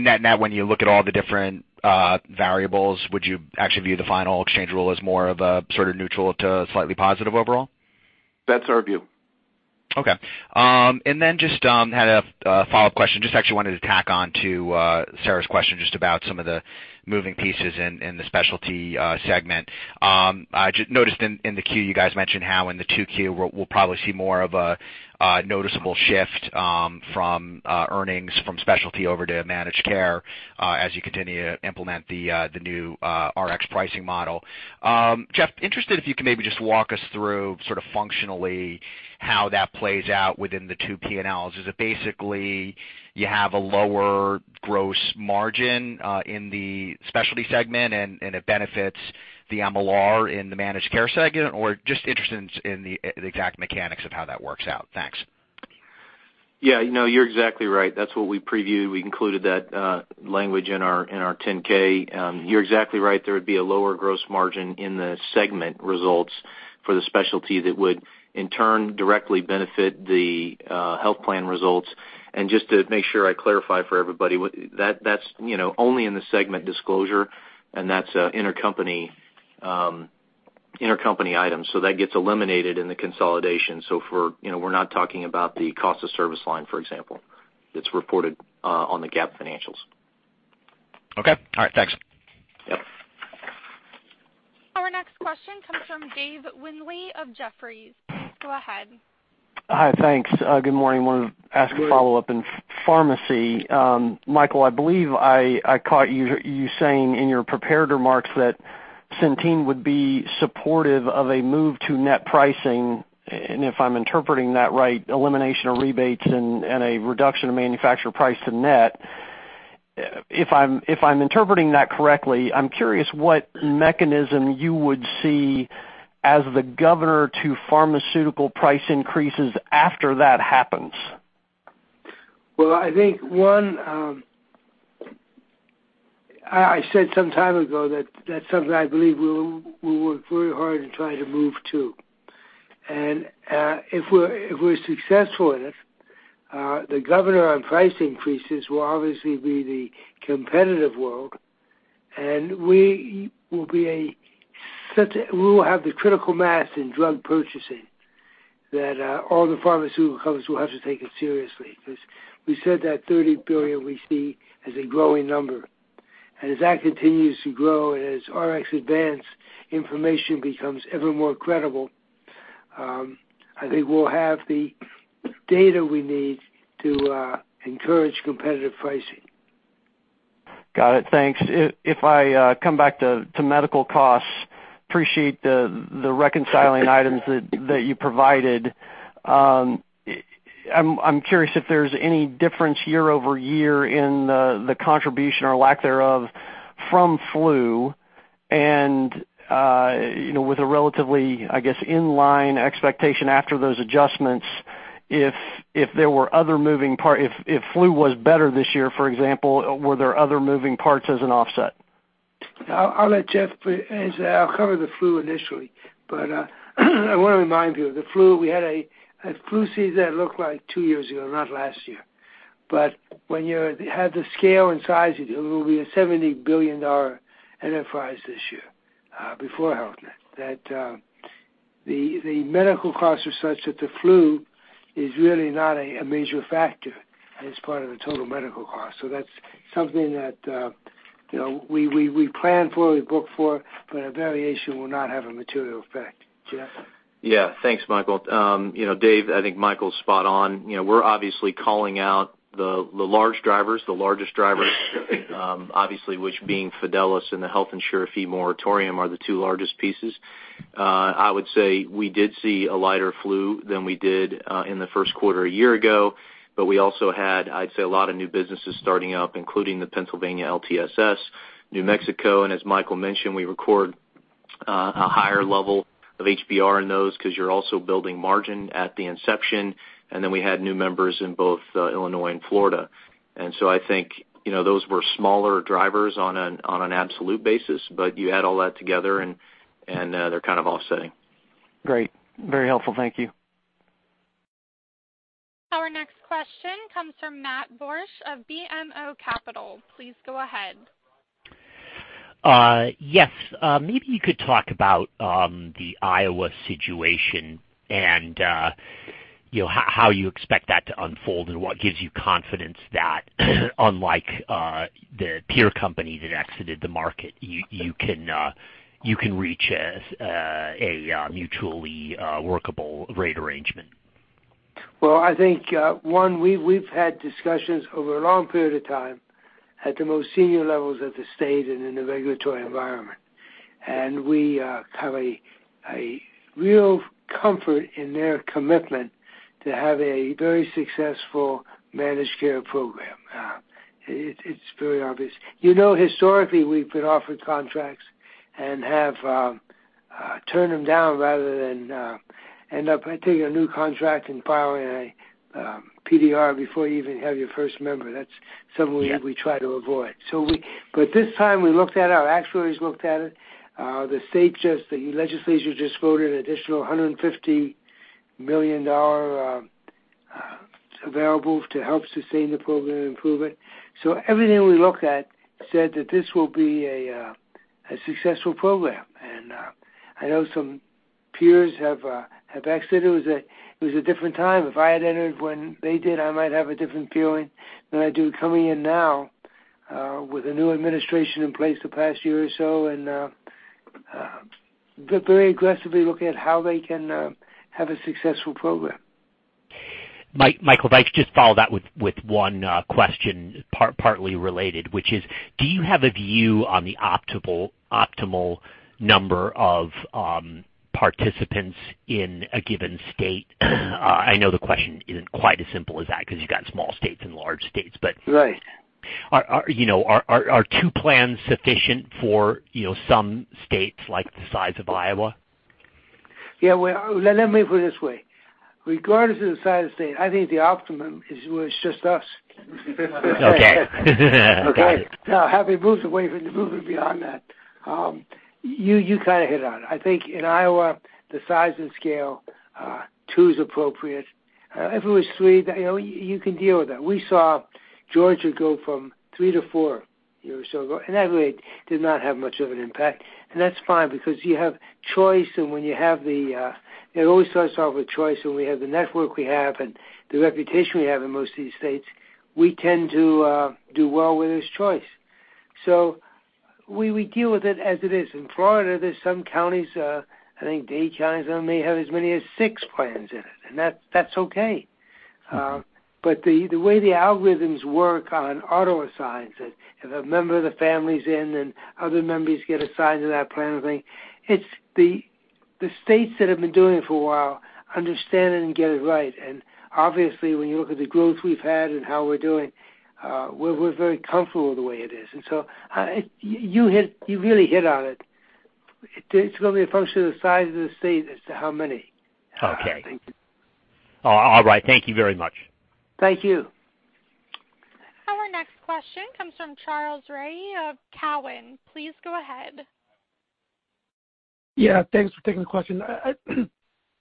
Net-net, when you look at all the different variables, would you actually view the final exchange rule as more of a sort of neutral to slightly positive overall? That's our view. Okay. Just had a follow-up question. Just actually wanted to tack on to Sarah James' question just about some of the moving pieces in the Specialty segment. I just noticed in the Q, you guys mentioned how in the 2Q, we'll probably see more of a noticeable shift from earnings from Specialty over to Managed Care, as you continue to implement the new RX pricing model. Jeff, interested if you can maybe just walk us through sort of functionally how that plays out within the two P&Ls. Is it basically you have a lower gross margin in the Specialty segment and it benefits the MLR in the Managed Care segment? Or just interested in the exact mechanics of how that works out. Thanks. Yeah. You're exactly right. That's what we previewed. We included that language in our 10K. You're exactly right. There would be a lower gross margin in the segment results for the Specialty that would in turn directly benefit the health plan results. Just to make sure I clarify for everybody, that's only in the segment disclosure, and that's intercompany items. That gets eliminated in the consolidation. We're not talking about the cost of service line, for example. It's reported on the GAAP financials. Okay. All right. Thanks. Yep. Our next question comes from Dave Windley of Jefferies. Please go ahead. Hi, thanks. Good morning. Wanted to ask a follow-up in pharmacy. Michael, I believe I caught you saying in your prepared remarks that Centene would be supportive of a move to net pricing, and if I'm interpreting that right, elimination of rebates and a reduction of manufacturer price to net. If I'm interpreting that correctly, I'm curious what mechanism you would see as the governor to pharmaceutical price increases after that happens. Well, I think one, I said some time ago that that's something I believe we'll work very hard in trying to move to. If we're successful in it, the governor on price increases will obviously be the competitive world, and we will have the critical mass in drug purchasing that all the pharmaceutical companies will have to take it seriously. We said that $30 billion we see as a growing number. As that continues to grow, and as RxAdvance information becomes ever more credible, I think we'll have the data we need to encourage competitive pricing. Got it. Thanks. If I come back to medical costs, appreciate the reconciling items that you provided. I'm curious if there's any difference year-over-year in the contribution or lack thereof from flu and, with a relatively, I guess, inline expectation after those adjustments, if flu was better this year, for example, were there other moving parts as an offset? I'll let Jeff answer that. I'll cover the flu initially, but I want to remind you, the flu, we had a flu season that looked like two years ago, not last year. When you have the scale and size, it will be a $70 billion enterprise this year, before Health Net. That the medical costs are such that the flu is really not a major factor as part of the total medical cost. That's something that we plan for, we book for, but a variation will not have a material effect. Jeff? Yeah. Thanks, Michael. Dave, I think Michael's spot on. We're obviously calling out the large drivers, the largest drivers, obviously, which being Fidelis and the Health Insurer Fee moratorium are the two largest pieces. I would say we did see a lighter flu than we did in the first quarter a year ago, but we also had, I'd say, a lot of new businesses starting up, including the Pennsylvania LTSS, New Mexico, and as Michael mentioned, we record a higher level of HBR in those because you're also building margin at the inception, and then we had new members in both Illinois and Florida. I think those were smaller drivers on an absolute basis, but you add all that together, and they're kind of offsetting. Great. Very helpful. Thank you. Our next question comes from Matt Borsch of BMO Capital. Please go ahead. Yes. Maybe you could talk about the Iowa situation and how you expect that to unfold and what gives you confidence that unlike the peer companies that exited the market, you can reach a mutually workable rate arrangement. Well, I think, one, we've had discussions over a long period of time at the most senior levels of the state and in the regulatory environment. We have a real comfort in their commitment to have a very successful managed care program. It's very obvious. Historically, we've been offered contracts and have turned them down rather than end up taking a new contract and filing a PDR before you even have your first member. That's something- Yeah We try to avoid. This time, we looked at it, our actuaries looked at it. The legislature just voted an additional $150 million available to help sustain the program and improve it. Everything we looked at said that this will be a successful program. I know some peers have exited. It was a different time. If I had entered when they did, I might have a different feeling than I do coming in now, with a new administration in place the past year or so, they're very aggressively looking at how they can have a successful program. Michael, if I could just follow that with one question partly related, which is, do you have a view on the optimal number of participants in a given state? I know the question isn't quite as simple as that, because you've got small states and large states, but- Right Are two plans sufficient for some states like the size of Iowa? Yeah. Well, let me put it this way. Regardless of the size of the state, I think the optimum is where it's just us. Okay. Got it. Having moved away from moving beyond that, you hit on it. I think in Iowa, the size and scale, two is appropriate. If it was three, you can deal with that. We saw Georgia go from three to four a year or so ago, That really did not have much of an impact. That's fine because you have choice, and when you have the It always starts off with choice, and we have the network we have and the reputation we have in most of these states. We tend to do well where there's choice. We deal with it as it is. In Florida, there's some counties, I think Dade County may have as many as six plans in it, and that's okay. The way the algorithms work on auto-assigns, if a member of the family's in and other members get assigned to that plan thing, it's the states that have been doing it for a while understand it and get it right. Obviously, when you look at the growth we've had and how we're doing, we're very comfortable with the way it is. You really hit on it. It's going to be a function of the size of the state as to how many. Okay. I think. All right. Thank you very much. Thank you. Our next question comes from Charles Rhyee of Cowen. Please go ahead. Yeah. Thanks for taking the question.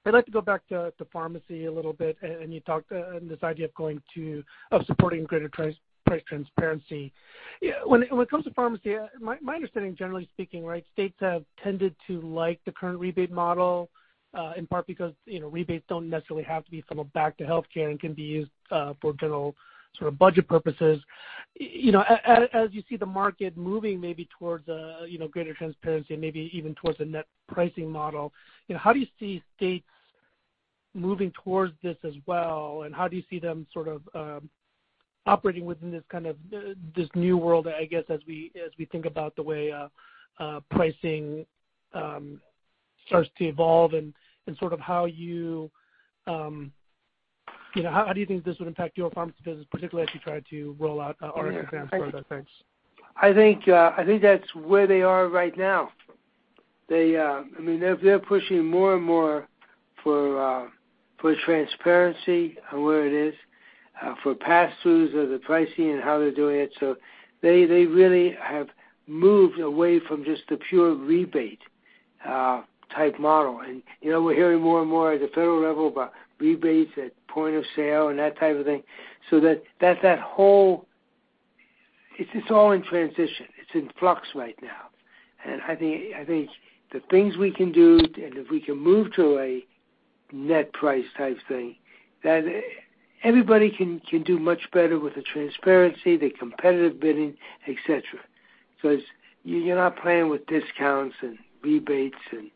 I'd like to go back to pharmacy a little bit, and you talked, and this idea of supporting greater price transparency. When it comes to pharmacy, my understanding, generally speaking, states have tended to like the current rebate model, in part because rebates don't necessarily have to be funneled back to healthcare and can be used for general budget purposes. As you see the market moving maybe towards greater transparency and maybe even towards a net pricing model, how do you see states moving towards this as well, and how do you see them operating within this new world, I guess, as we think about the way pricing starts to evolve and how do you think this would impact your pharmacy business, particularly as you try to roll out RxAdvance further? Thanks. I think that's where they are right now. They're pushing more and more for transparency on where it is, for pass-throughs of the pricing and how they're doing it. They really have moved away from just the pure rebate type model. We're hearing more and more at the federal level about rebates at point of sale and that type of thing. It's all in transition. It's in flux right now. I think the things we can do, and if we can move to a net price type thing, that everybody can do much better with the transparency, the competitive bidding, et cetera. You're not playing with discounts and rebates and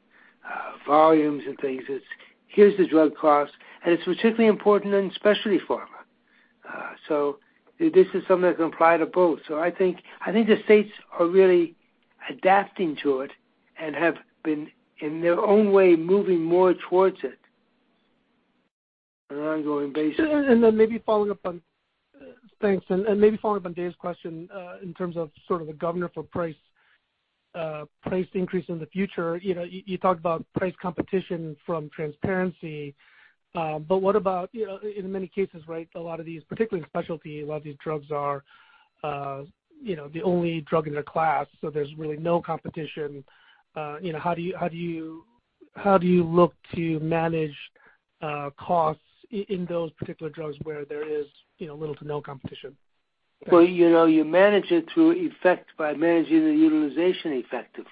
volumes and things. It's here's the drug costs, and it's particularly important in specialty pharma. This is something that's going to apply to both. I think the states are really adapting to it and have been, in their own way, moving more towards it on an ongoing basis. Thanks. Maybe following up on Dave's question, in terms of sort of the governor for price increase in the future. You talked about price competition from transparency, but what about, in many cases, a lot of these, particularly in specialty, a lot of these drugs are the only drug in their class, so there's really no competition. How do you look to manage costs in those particular drugs where there is little to no competition. You manage it through effect by managing the utilization effectively.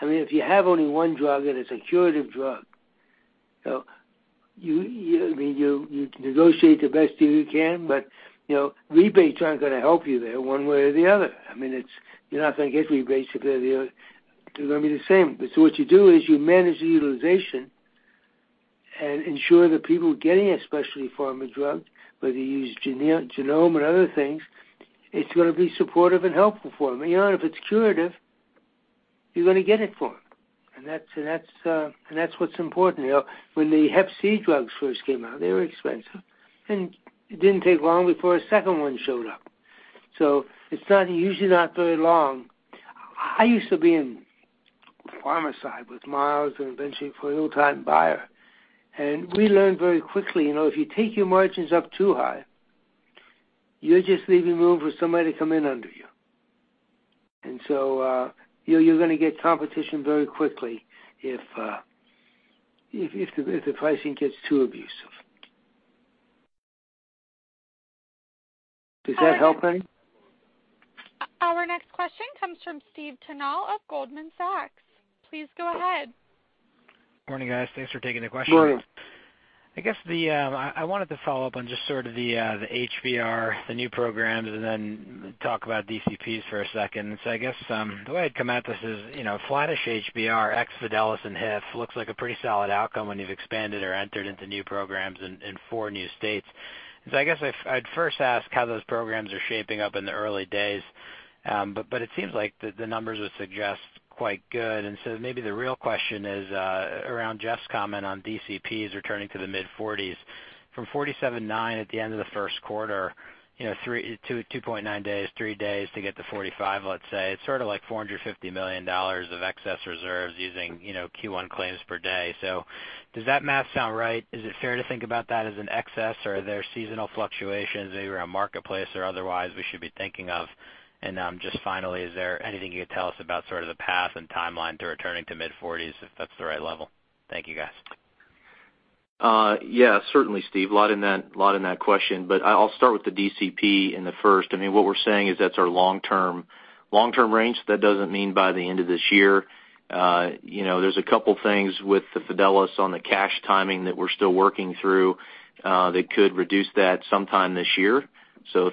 If you have only one drug and it's a curative drug, you can negotiate the best deal you can, rebates aren't going to help you there one way or the other. You're not going to get rebates if they're the only they're going to be the same. What you do is you manage the utilization and ensure the people getting, especially pharma drugs, whether you use genome or other things, it's going to be supportive and helpful for them. If it's curative, you're going to get it for them. That's what's important. When the Hep C drugs first came out, they were expensive, and it didn't take long before a second one showed up. It's usually not very long. I used to be in pharma side with Miles and eventually for a full-time buyer. We learned very quickly, if you take your margins up too high, you're just leaving room for somebody to come in under you. You're going to get competition very quickly if the pricing gets too abusive. Does that help any? Our next question comes from Steve Tanal of Goldman Sachs. Please go ahead. Morning, guys. Thanks for taking the question. Morning. I guess I wanted to follow up on just sort of the HBR, the new programs, and then talk about DCPs for a second. I guess, the way I'd come at this is. Flatish HBR, ex Fidelis and HIF looks like a pretty solid outcome when you've expanded or entered into new programs in four new states. I guess I'd first ask how those programs are shaping up in the early days. It seems like the numbers would suggest quite good. Maybe the real question is around Jeff's comment on DCPs returning to the mid-40s. From 47.9 at the end of the first quarter, 2.9 days, three days to get to 45, let's say, it's sort of like $450 million of excess reserves using Q1 claims per day. Does that math sound right? Is it fair to think about that as an excess, or are there seasonal fluctuations maybe around Marketplace or otherwise we should be thinking of? Just finally, is there anything you could tell us about sort of the path and timeline to returning to mid-40s, if that's the right level? Thank you, guys. Yeah. Certainly, Steve. A lot in that question. I'll start with the DCP in the first. What we're saying is that's our long-term range. That doesn't mean by the end of this year. There's a couple things with the Fidelis on the cash timing that we're still working through, that could reduce that sometime this year.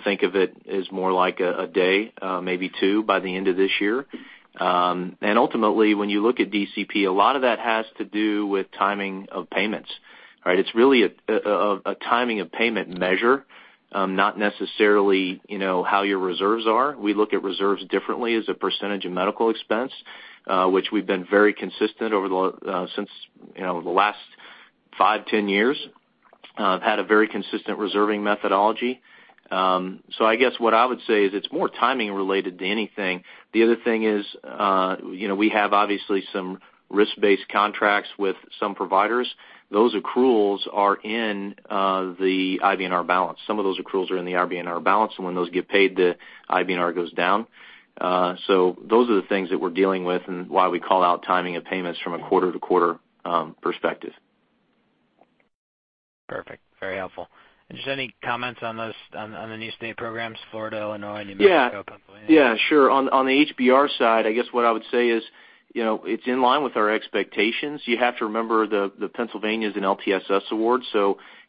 Think of it as more like a day, maybe two by the end of this year. Ultimately, when you look at DCP, a lot of that has to do with timing of payments. Right? It's really a timing of payment measure, not necessarily how your reserves are. We look at reserves differently as a percentage of medical expense, which we've been very consistent over the last five, 10 years, had a very consistent reserving methodology. I guess what I would say is it's more timing related than anything. The other thing is, we have obviously some risk-based contracts with some providers. Those accruals are in the IBNR balance. Some of those accruals are in the IBNR balance, and when those get paid, the IBNR goes down. Those are the things that we're dealing with and why we call out timing of payments from a quarter-to-quarter perspective. Perfect. Very helpful. Just any comments on the new state programs, Florida, Illinois, New Mexico, Pennsylvania? Yeah. Sure. On the HBR side, I guess what I would say is, it's in line with our expectations. You have to remember, the Pennsylvania is an LTSS award,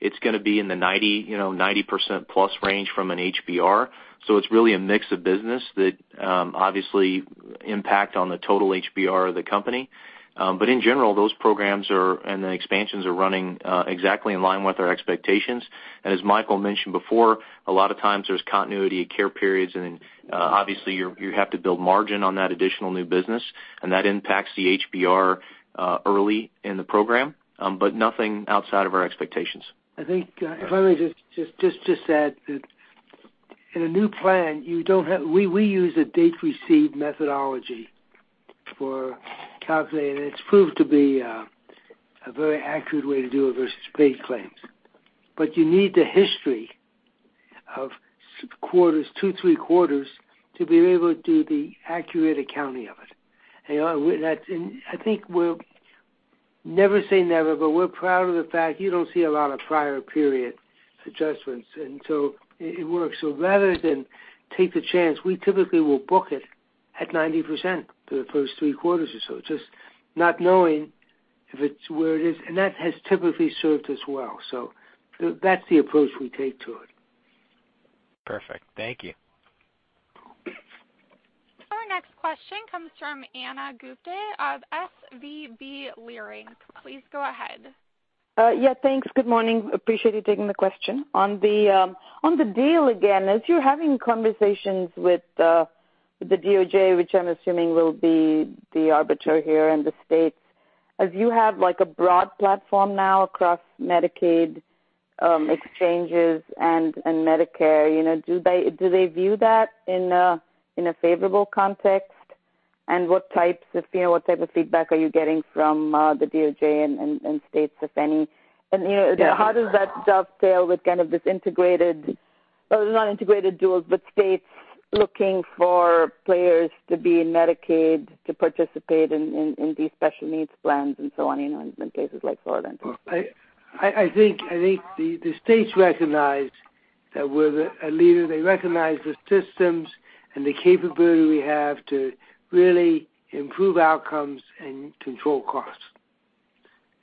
it's going to be in the 90% plus range from an HBR. It's really a mix of business that obviously impact on the total HBR of the company. In general, those programs are, and the expansions are running exactly in line with our expectations. As Michael mentioned before, a lot of times there's continuity of care periods and obviously you have to build margin on that additional new business, and that impacts the HBR early in the program. Nothing outside of our expectations. I think, if I may just add that in a new plan, we use a date received methodology for calculating, and it's proved to be a very accurate way to do it versus paid claims. You need the history of quarters, two, three quarters, to be able to do the accurate accounting of it. I think we'll never say never, but we're proud of the fact you don't see a lot of prior period adjustments. It works. Rather than take the chance, we typically will book it at 90% for the first three quarters or so, just not knowing if it's where it is. That has typically served us well. That's the approach we take to it. Perfect. Thank you. Our next question comes from Ana Gupte of SVB Leerink. Please go ahead. Yeah, thanks. Good morning. Appreciate you taking the question. On the deal again, as you're having conversations with the DOJ, which I'm assuming will be the arbiter here in the States, as you have a broad platform now across Medicaid exchanges and Medicare, do they view that in a favorable context? What type of feedback are you getting from the DOJ and states, if any? How does that dovetail with kind of this integrated duos, but states looking for players to be in Medicaid to participate in these special needs plans and so on, in places like Florida. I think the states recognize that we're the leader. They recognize the systems and the capability we have to really improve outcomes and control costs,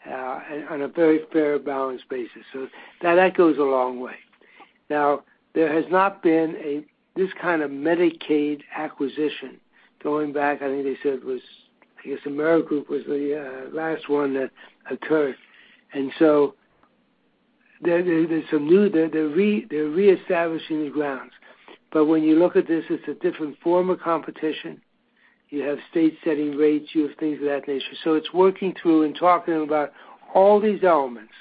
on a very fair, balanced basis. That goes a long way. Now, there has not been this kind of Medicaid acquisition going back, I think they said it was, I guess Amerigroup was the last one that occurred. They're reestablishing the grounds. When you look at this, it's a different form of competition. You have states setting rates, you have things of that nature. It's working through and talking about all these elements,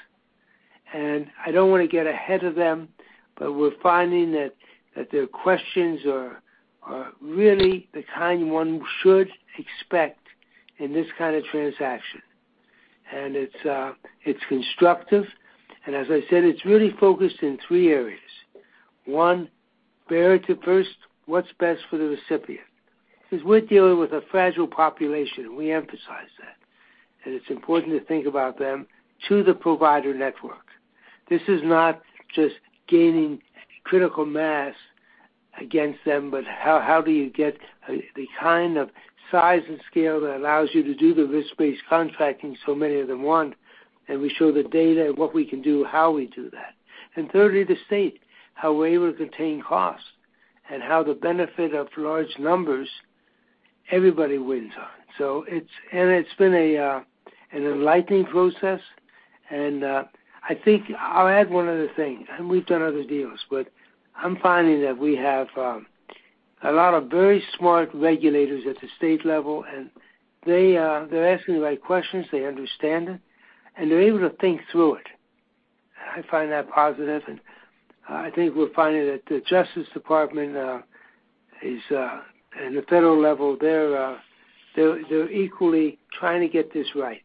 and I don't want to get ahead of them, but we're finding that their questions are really the kind one should expect in this kind of transaction. It's constructive. As I said, it's really focused in three areas. One, bear to first, what's best for the recipient? Because we're dealing with a fragile population, we emphasize that, and it's important to think about them to the provider network. This is not just gaining critical mass against them, but how do you get the kind of size and scale that allows you to do the risk-based contracting so many of them want? We show the data and what we can do, how we do that. Thirdly, the state, how we're able to contain costs and how the benefit of large numbers everybody wins on. It's been an enlightening process. I think I'll add one other thing, we've done other deals, but I'm finding that we have a lot of very smart regulators at the state level, and they're asking the right questions, they understand it, and they're able to think through it. I find that positive, and I think we're finding that the Department of Justice, at the federal level, they're equally trying to get this right.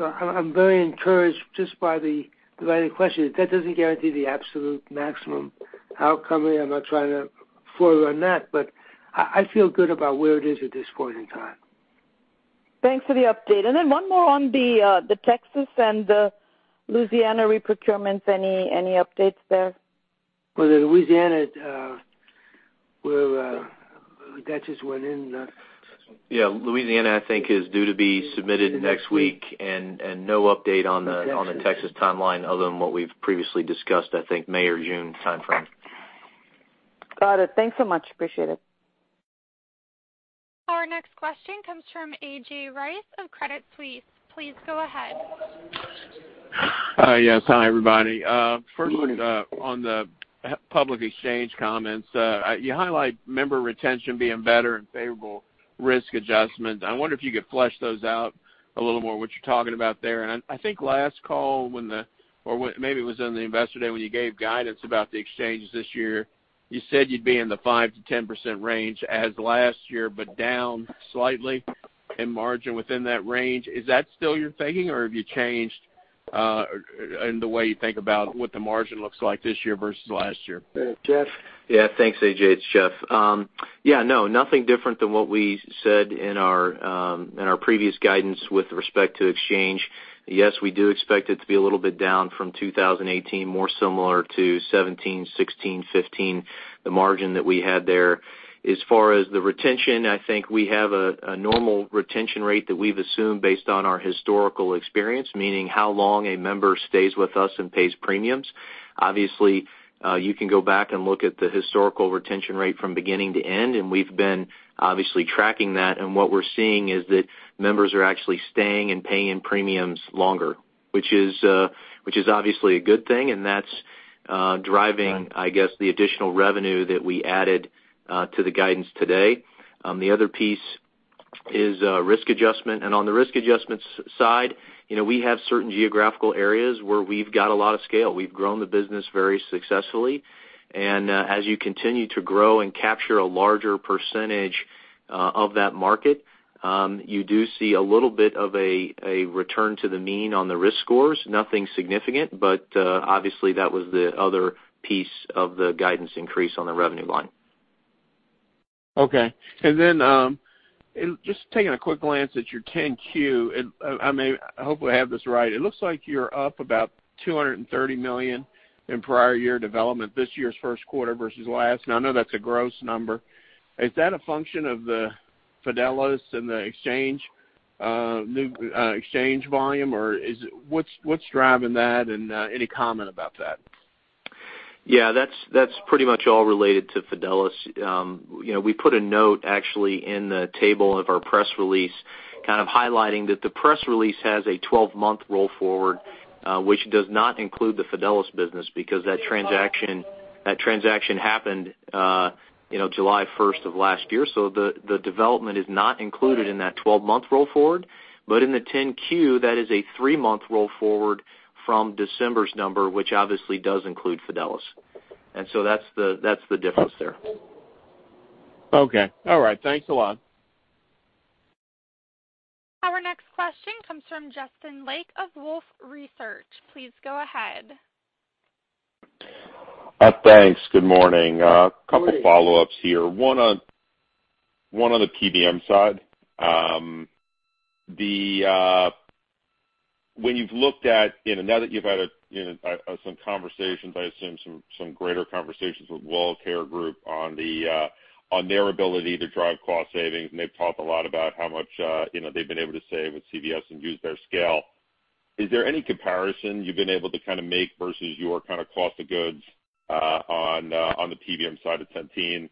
I'm very encouraged just by the right question. That doesn't guarantee the absolute maximum outcome. I'm not trying to fool you on that, but I feel good about where it is at this point in time. Thanks for the update. One more on the Texas and the Louisiana reprocurement. Any updates there? The Louisiana, that just went in. Louisiana, I think is due to be submitted next week. No update on the Texas timeline other than what we've previously discussed, I think May or June timeframe. Got it. Thanks so much. Appreciate it. Our next question comes from A.J. Rice of Credit Suisse. Please go ahead. Hi. Yes. Hi, everybody. First one on the public exchange comments. You highlight member retention being better and favorable risk adjustment. I wonder if you could flesh those out a little more, what you're talking about there. I think last call, or maybe it was on the Investor Day when you gave guidance about the exchanges this year, you said you'd be in the 5%-10% range as last year but down slightly in margin within that range. Is that still your thinking, or have you changed in the way you think about what the margin looks like this year versus last year? Jeff? Thanks, A.J. It's Jeff. No, nothing different than what we said in our previous guidance with respect to exchange. Yes, we do expect it to be a little bit down from 2018, more similar to 2017, 2016, 2015, the margin that we had there. As far as the retention, I think we have a normal retention rate that we've assumed based on our historical experience, meaning how long a member stays with us and pays premiums. Obviously, you can go back and look at the historical retention rate from beginning to end, and we've been obviously tracking that, and what we're seeing is that members are actually staying and paying premiums longer, which is obviously a good thing, and that's driving, I guess, the additional revenue that we added to the guidance today. The other piece is risk adjustment. On the risk adjustments side, we have certain geographical areas where we've got a lot of scale. We've grown the business very successfully. As you continue to grow and capture a larger percentage of that market, you do see a little bit of a return to the mean on the risk scores. Nothing significant, but obviously that was the other piece of the guidance increase on the revenue line. Okay. Just taking a quick glance at your 10-Q, I hope I have this right. It looks like you're up about $230 million in prior year development this year's first quarter versus last. I know that's a gross number. Is that a function of the Fidelis and the new exchange volume, or what's driving that, and any comment about that? That's pretty much all related to Fidelis. We put a note, actually, in the table of our press release, kind of highlighting that the press release has a 12-month roll forward, which does not include the Fidelis business because that transaction happened July 1st of last year. The development is not included in that 12-month roll forward. In the 10-Q, that is a three-month roll forward from December's number, which obviously does include Fidelis. That's the difference there. Okay. All right. Thanks a lot. Our next question comes from Justin Lake of Wolfe Research. Please go ahead. Thanks. Good morning. Good morning. A couple follow-ups here. One on the PBM side. When you've looked at, now that you've had some conversations, I assume some greater conversations with WellCare on their ability to drive cost savings, and they've talked a lot about how much they've been able to save with CVS and use their scale. Is there any comparison you've been able to make versus your cost of goods on the PBM side of Centene?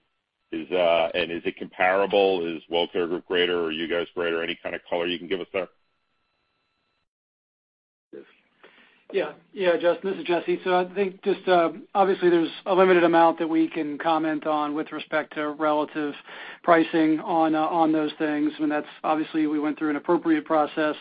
Is it comparable? Is WellCare greater, or you guys greater? Any kind of color you can give us there? Yeah. Justin, this is Jesse. I think just obviously there's a limited amount that we can comment on with respect to relative pricing on those things. That's obviously we went through an appropriate process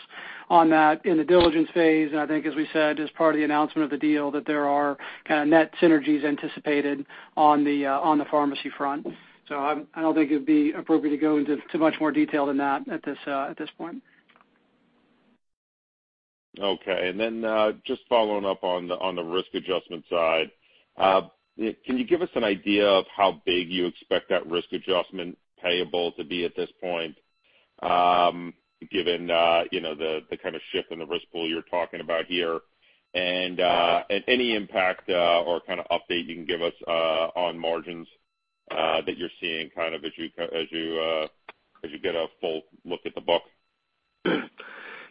on that in the diligence phase. I think, as we said, as part of the announcement of the deal, that there are net synergies anticipated on the pharmacy front. I don't think it'd be appropriate to go into too much more detail than that at this point. Okay. Just following up on the risk adjustment side. Can you give us an idea of how big you expect that risk adjustment payable to be at this point, given the kind of shift in the risk pool you're talking about here? Any impact or kind of update you can give us on margins that you're seeing as you get a full look at the book?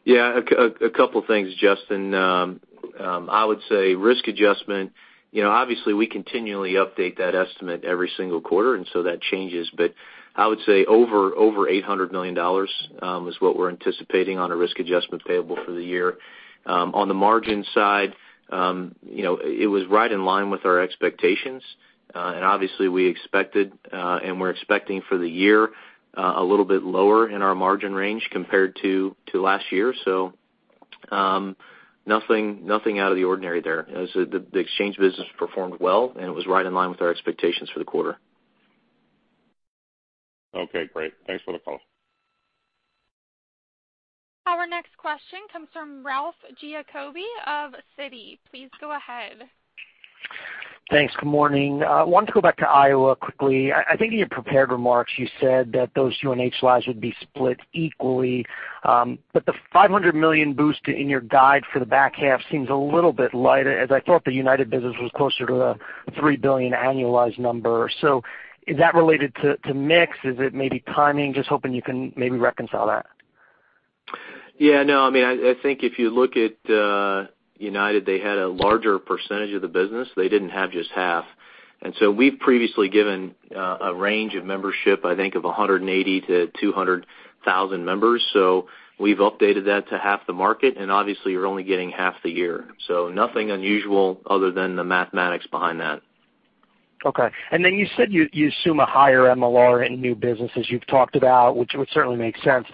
Yeah. A couple of things, Justin. I would say risk adjustment, obviously we continually update that estimate every single quarter, that changes. I would say over $800 million is what we're anticipating on a risk adjustment payable for the year. On the margin side, it was right in line with our expectations. Obviously we expected, and we're expecting for the year, a little bit lower in our margin range compared to last year. Nothing out of the ordinary there. The exchange business performed well, and it was right in line with our expectations for the quarter. Okay, great. Thanks for the call. Our next question comes from Ralph Giacobbe of Citi. Please go ahead. Thanks. Good morning. I wanted to go back to Iowa quickly. I think in your prepared remarks, you said that those UNH lives would be split equally. The $500 million boost in your guide for the back half seems a little bit light, as I thought the United business was closer to the $3 billion annualized number. Is that related to mix? Is it maybe timing? Just hoping you can maybe reconcile that. If you look at United, they had a larger percentage of the business. They didn't have just half. We've previously given a range of membership, I think of 180,000-200,000 members. We've updated that to half the market, and obviously you're only getting half the year. Nothing unusual other than the mathematics behind that. Okay. Then you said you assume a higher MLR in new business as you've talked about, which would certainly make sense.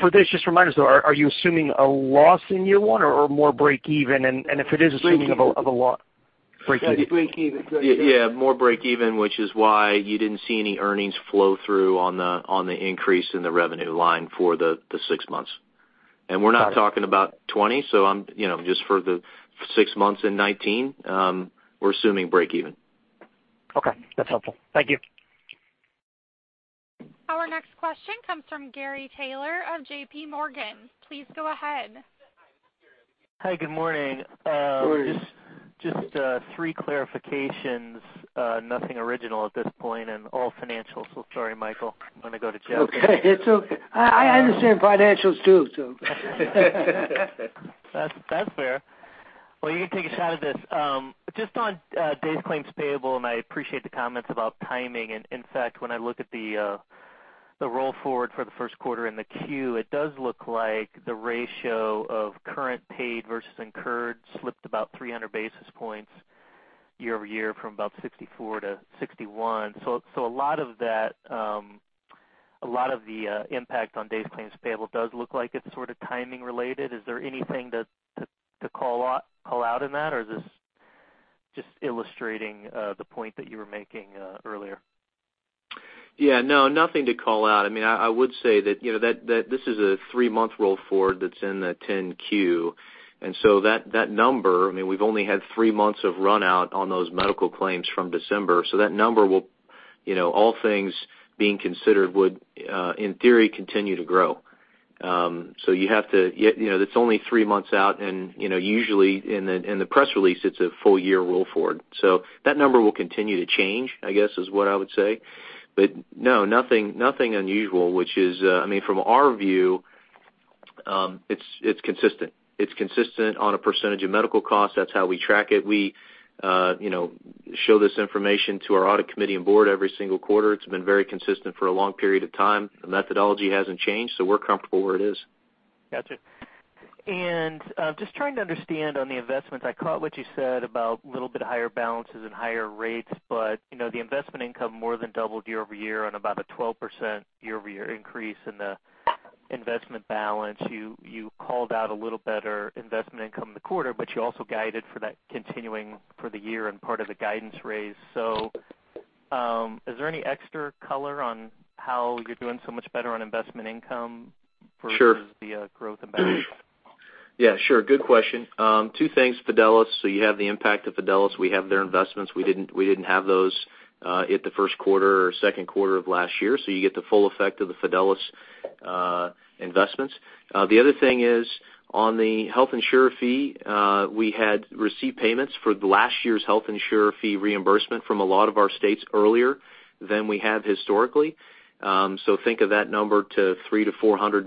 For this, just remind us, though, are you assuming a loss in year one or more break even? Break even. Break even. Yeah, more break even, which is why you didn't see any earnings flow through on the increase in the revenue line for the six months. We're not talking about 2020, so just for the six months in 2019, we're assuming break even. Okay, that's helpful. Thank you. Our next question comes from Gary Taylor of JPMorgan. Please go ahead. Hi, good morning. Good morning. Just three clarifications, nothing original at this point and all financial. Sorry, Michael. I'm going to go to Jeff. It's okay. I understand financials, too, so. That's fair. Well, you can take a shot at this. Just on days claims payable, and I appreciate the comments about timing, and in fact, when I look at the roll forward for the first quarter and the Q, it does look like the ratio of current paid versus incurred slipped about 300 basis points year-over-year from about 64 to 61. A lot of the impact on days claims payable does look like it's sort of timing related. Is there anything to call out in that, or is this just illustrating the point that you were making earlier? Yeah, no, nothing to call out. I would say that this is a three-month roll forward that's in the 10-Q, and so that number, we've only had three months of run out on those medical claims from December, so that number will, all things being considered, would in theory continue to grow. That's only three months out, and usually in the press release, it's a full year roll forward. That number will continue to change, I guess is what I would say. No, nothing unusual, which is, from our view, it's consistent. It's consistent on a percentage of medical costs. That's how we track it. We show this information to our audit committee and board every single quarter. It's been very consistent for a long period of time. The methodology hasn't changed, so we're comfortable where it is. Gotcha. Just trying to understand on the investments, I caught what you said about a little bit higher balances and higher rates, but the investment income more than doubled year-over-year on about a 12% year-over-year increase in the investment balance. You called out a little better investment income in the quarter, but you also guided for that continuing for the year and part of the guidance raise. Is there any extra color on how you're doing so much better on investment income versus- Sure the growth in Yeah, sure. Good question. Two things, Fidelis. You have the impact of Fidelis. We didn't have those in the first quarter or second quarter of last year, so you get the full effect of the Fidelis investments. The other thing is, on the Health Insurer Fee, we had received payments for last year's Health Insurer Fee reimbursement from a lot of our states earlier than we have historically. Think of that number to $300 million to $400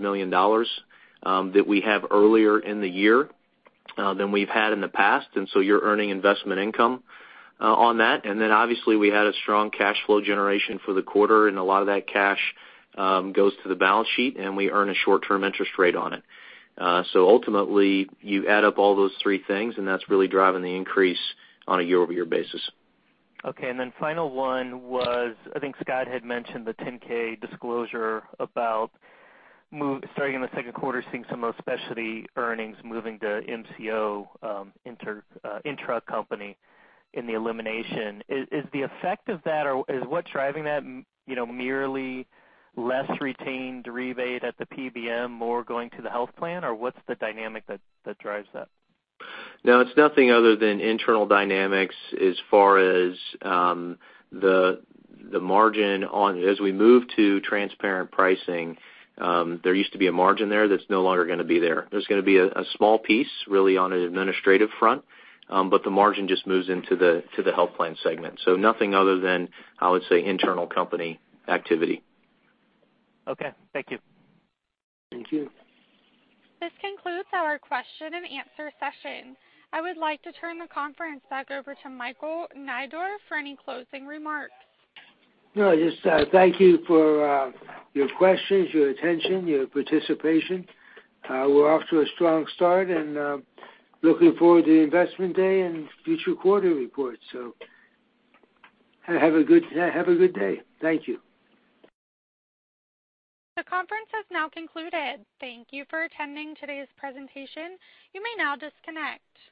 million that we have earlier in the year than we've had in the past, and so you're earning investment income on that. Obviously, we had a strong cash flow generation for the quarter, and a lot of that cash goes to the balance sheet, and we earn a short-term interest rate on it. Ultimately, you add up all those three things, and that's really driving the increase on a year-over-year basis. Okay, final one was, I think Scott had mentioned the 10-K disclosure about starting in the second quarter, seeing some of those specialty earnings moving to MCO intra-company in the elimination. Is what's driving that merely less retained rebate at the PBM more going to the health plan, or what's the dynamic that drives that? No, it's nothing other than internal dynamics as far as the margin. As we move to transparent pricing, there used to be a margin there that's no longer going to be there. There's going to be a small piece, really, on an administrative front, the margin just moves into the health plan segment. Nothing other than, I would say, internal company activity. Okay, thank you. Thank you. This concludes our question and answer session. I would like to turn the conference back over to Michael Neidorff for any closing remarks. No, just thank you for your questions, your attention, your participation. We're off to a strong start, and looking forward to the Investment Day and future quarter reports. Have a good day. Thank you. The conference has now concluded. Thank you for attending today's presentation. You may now disconnect.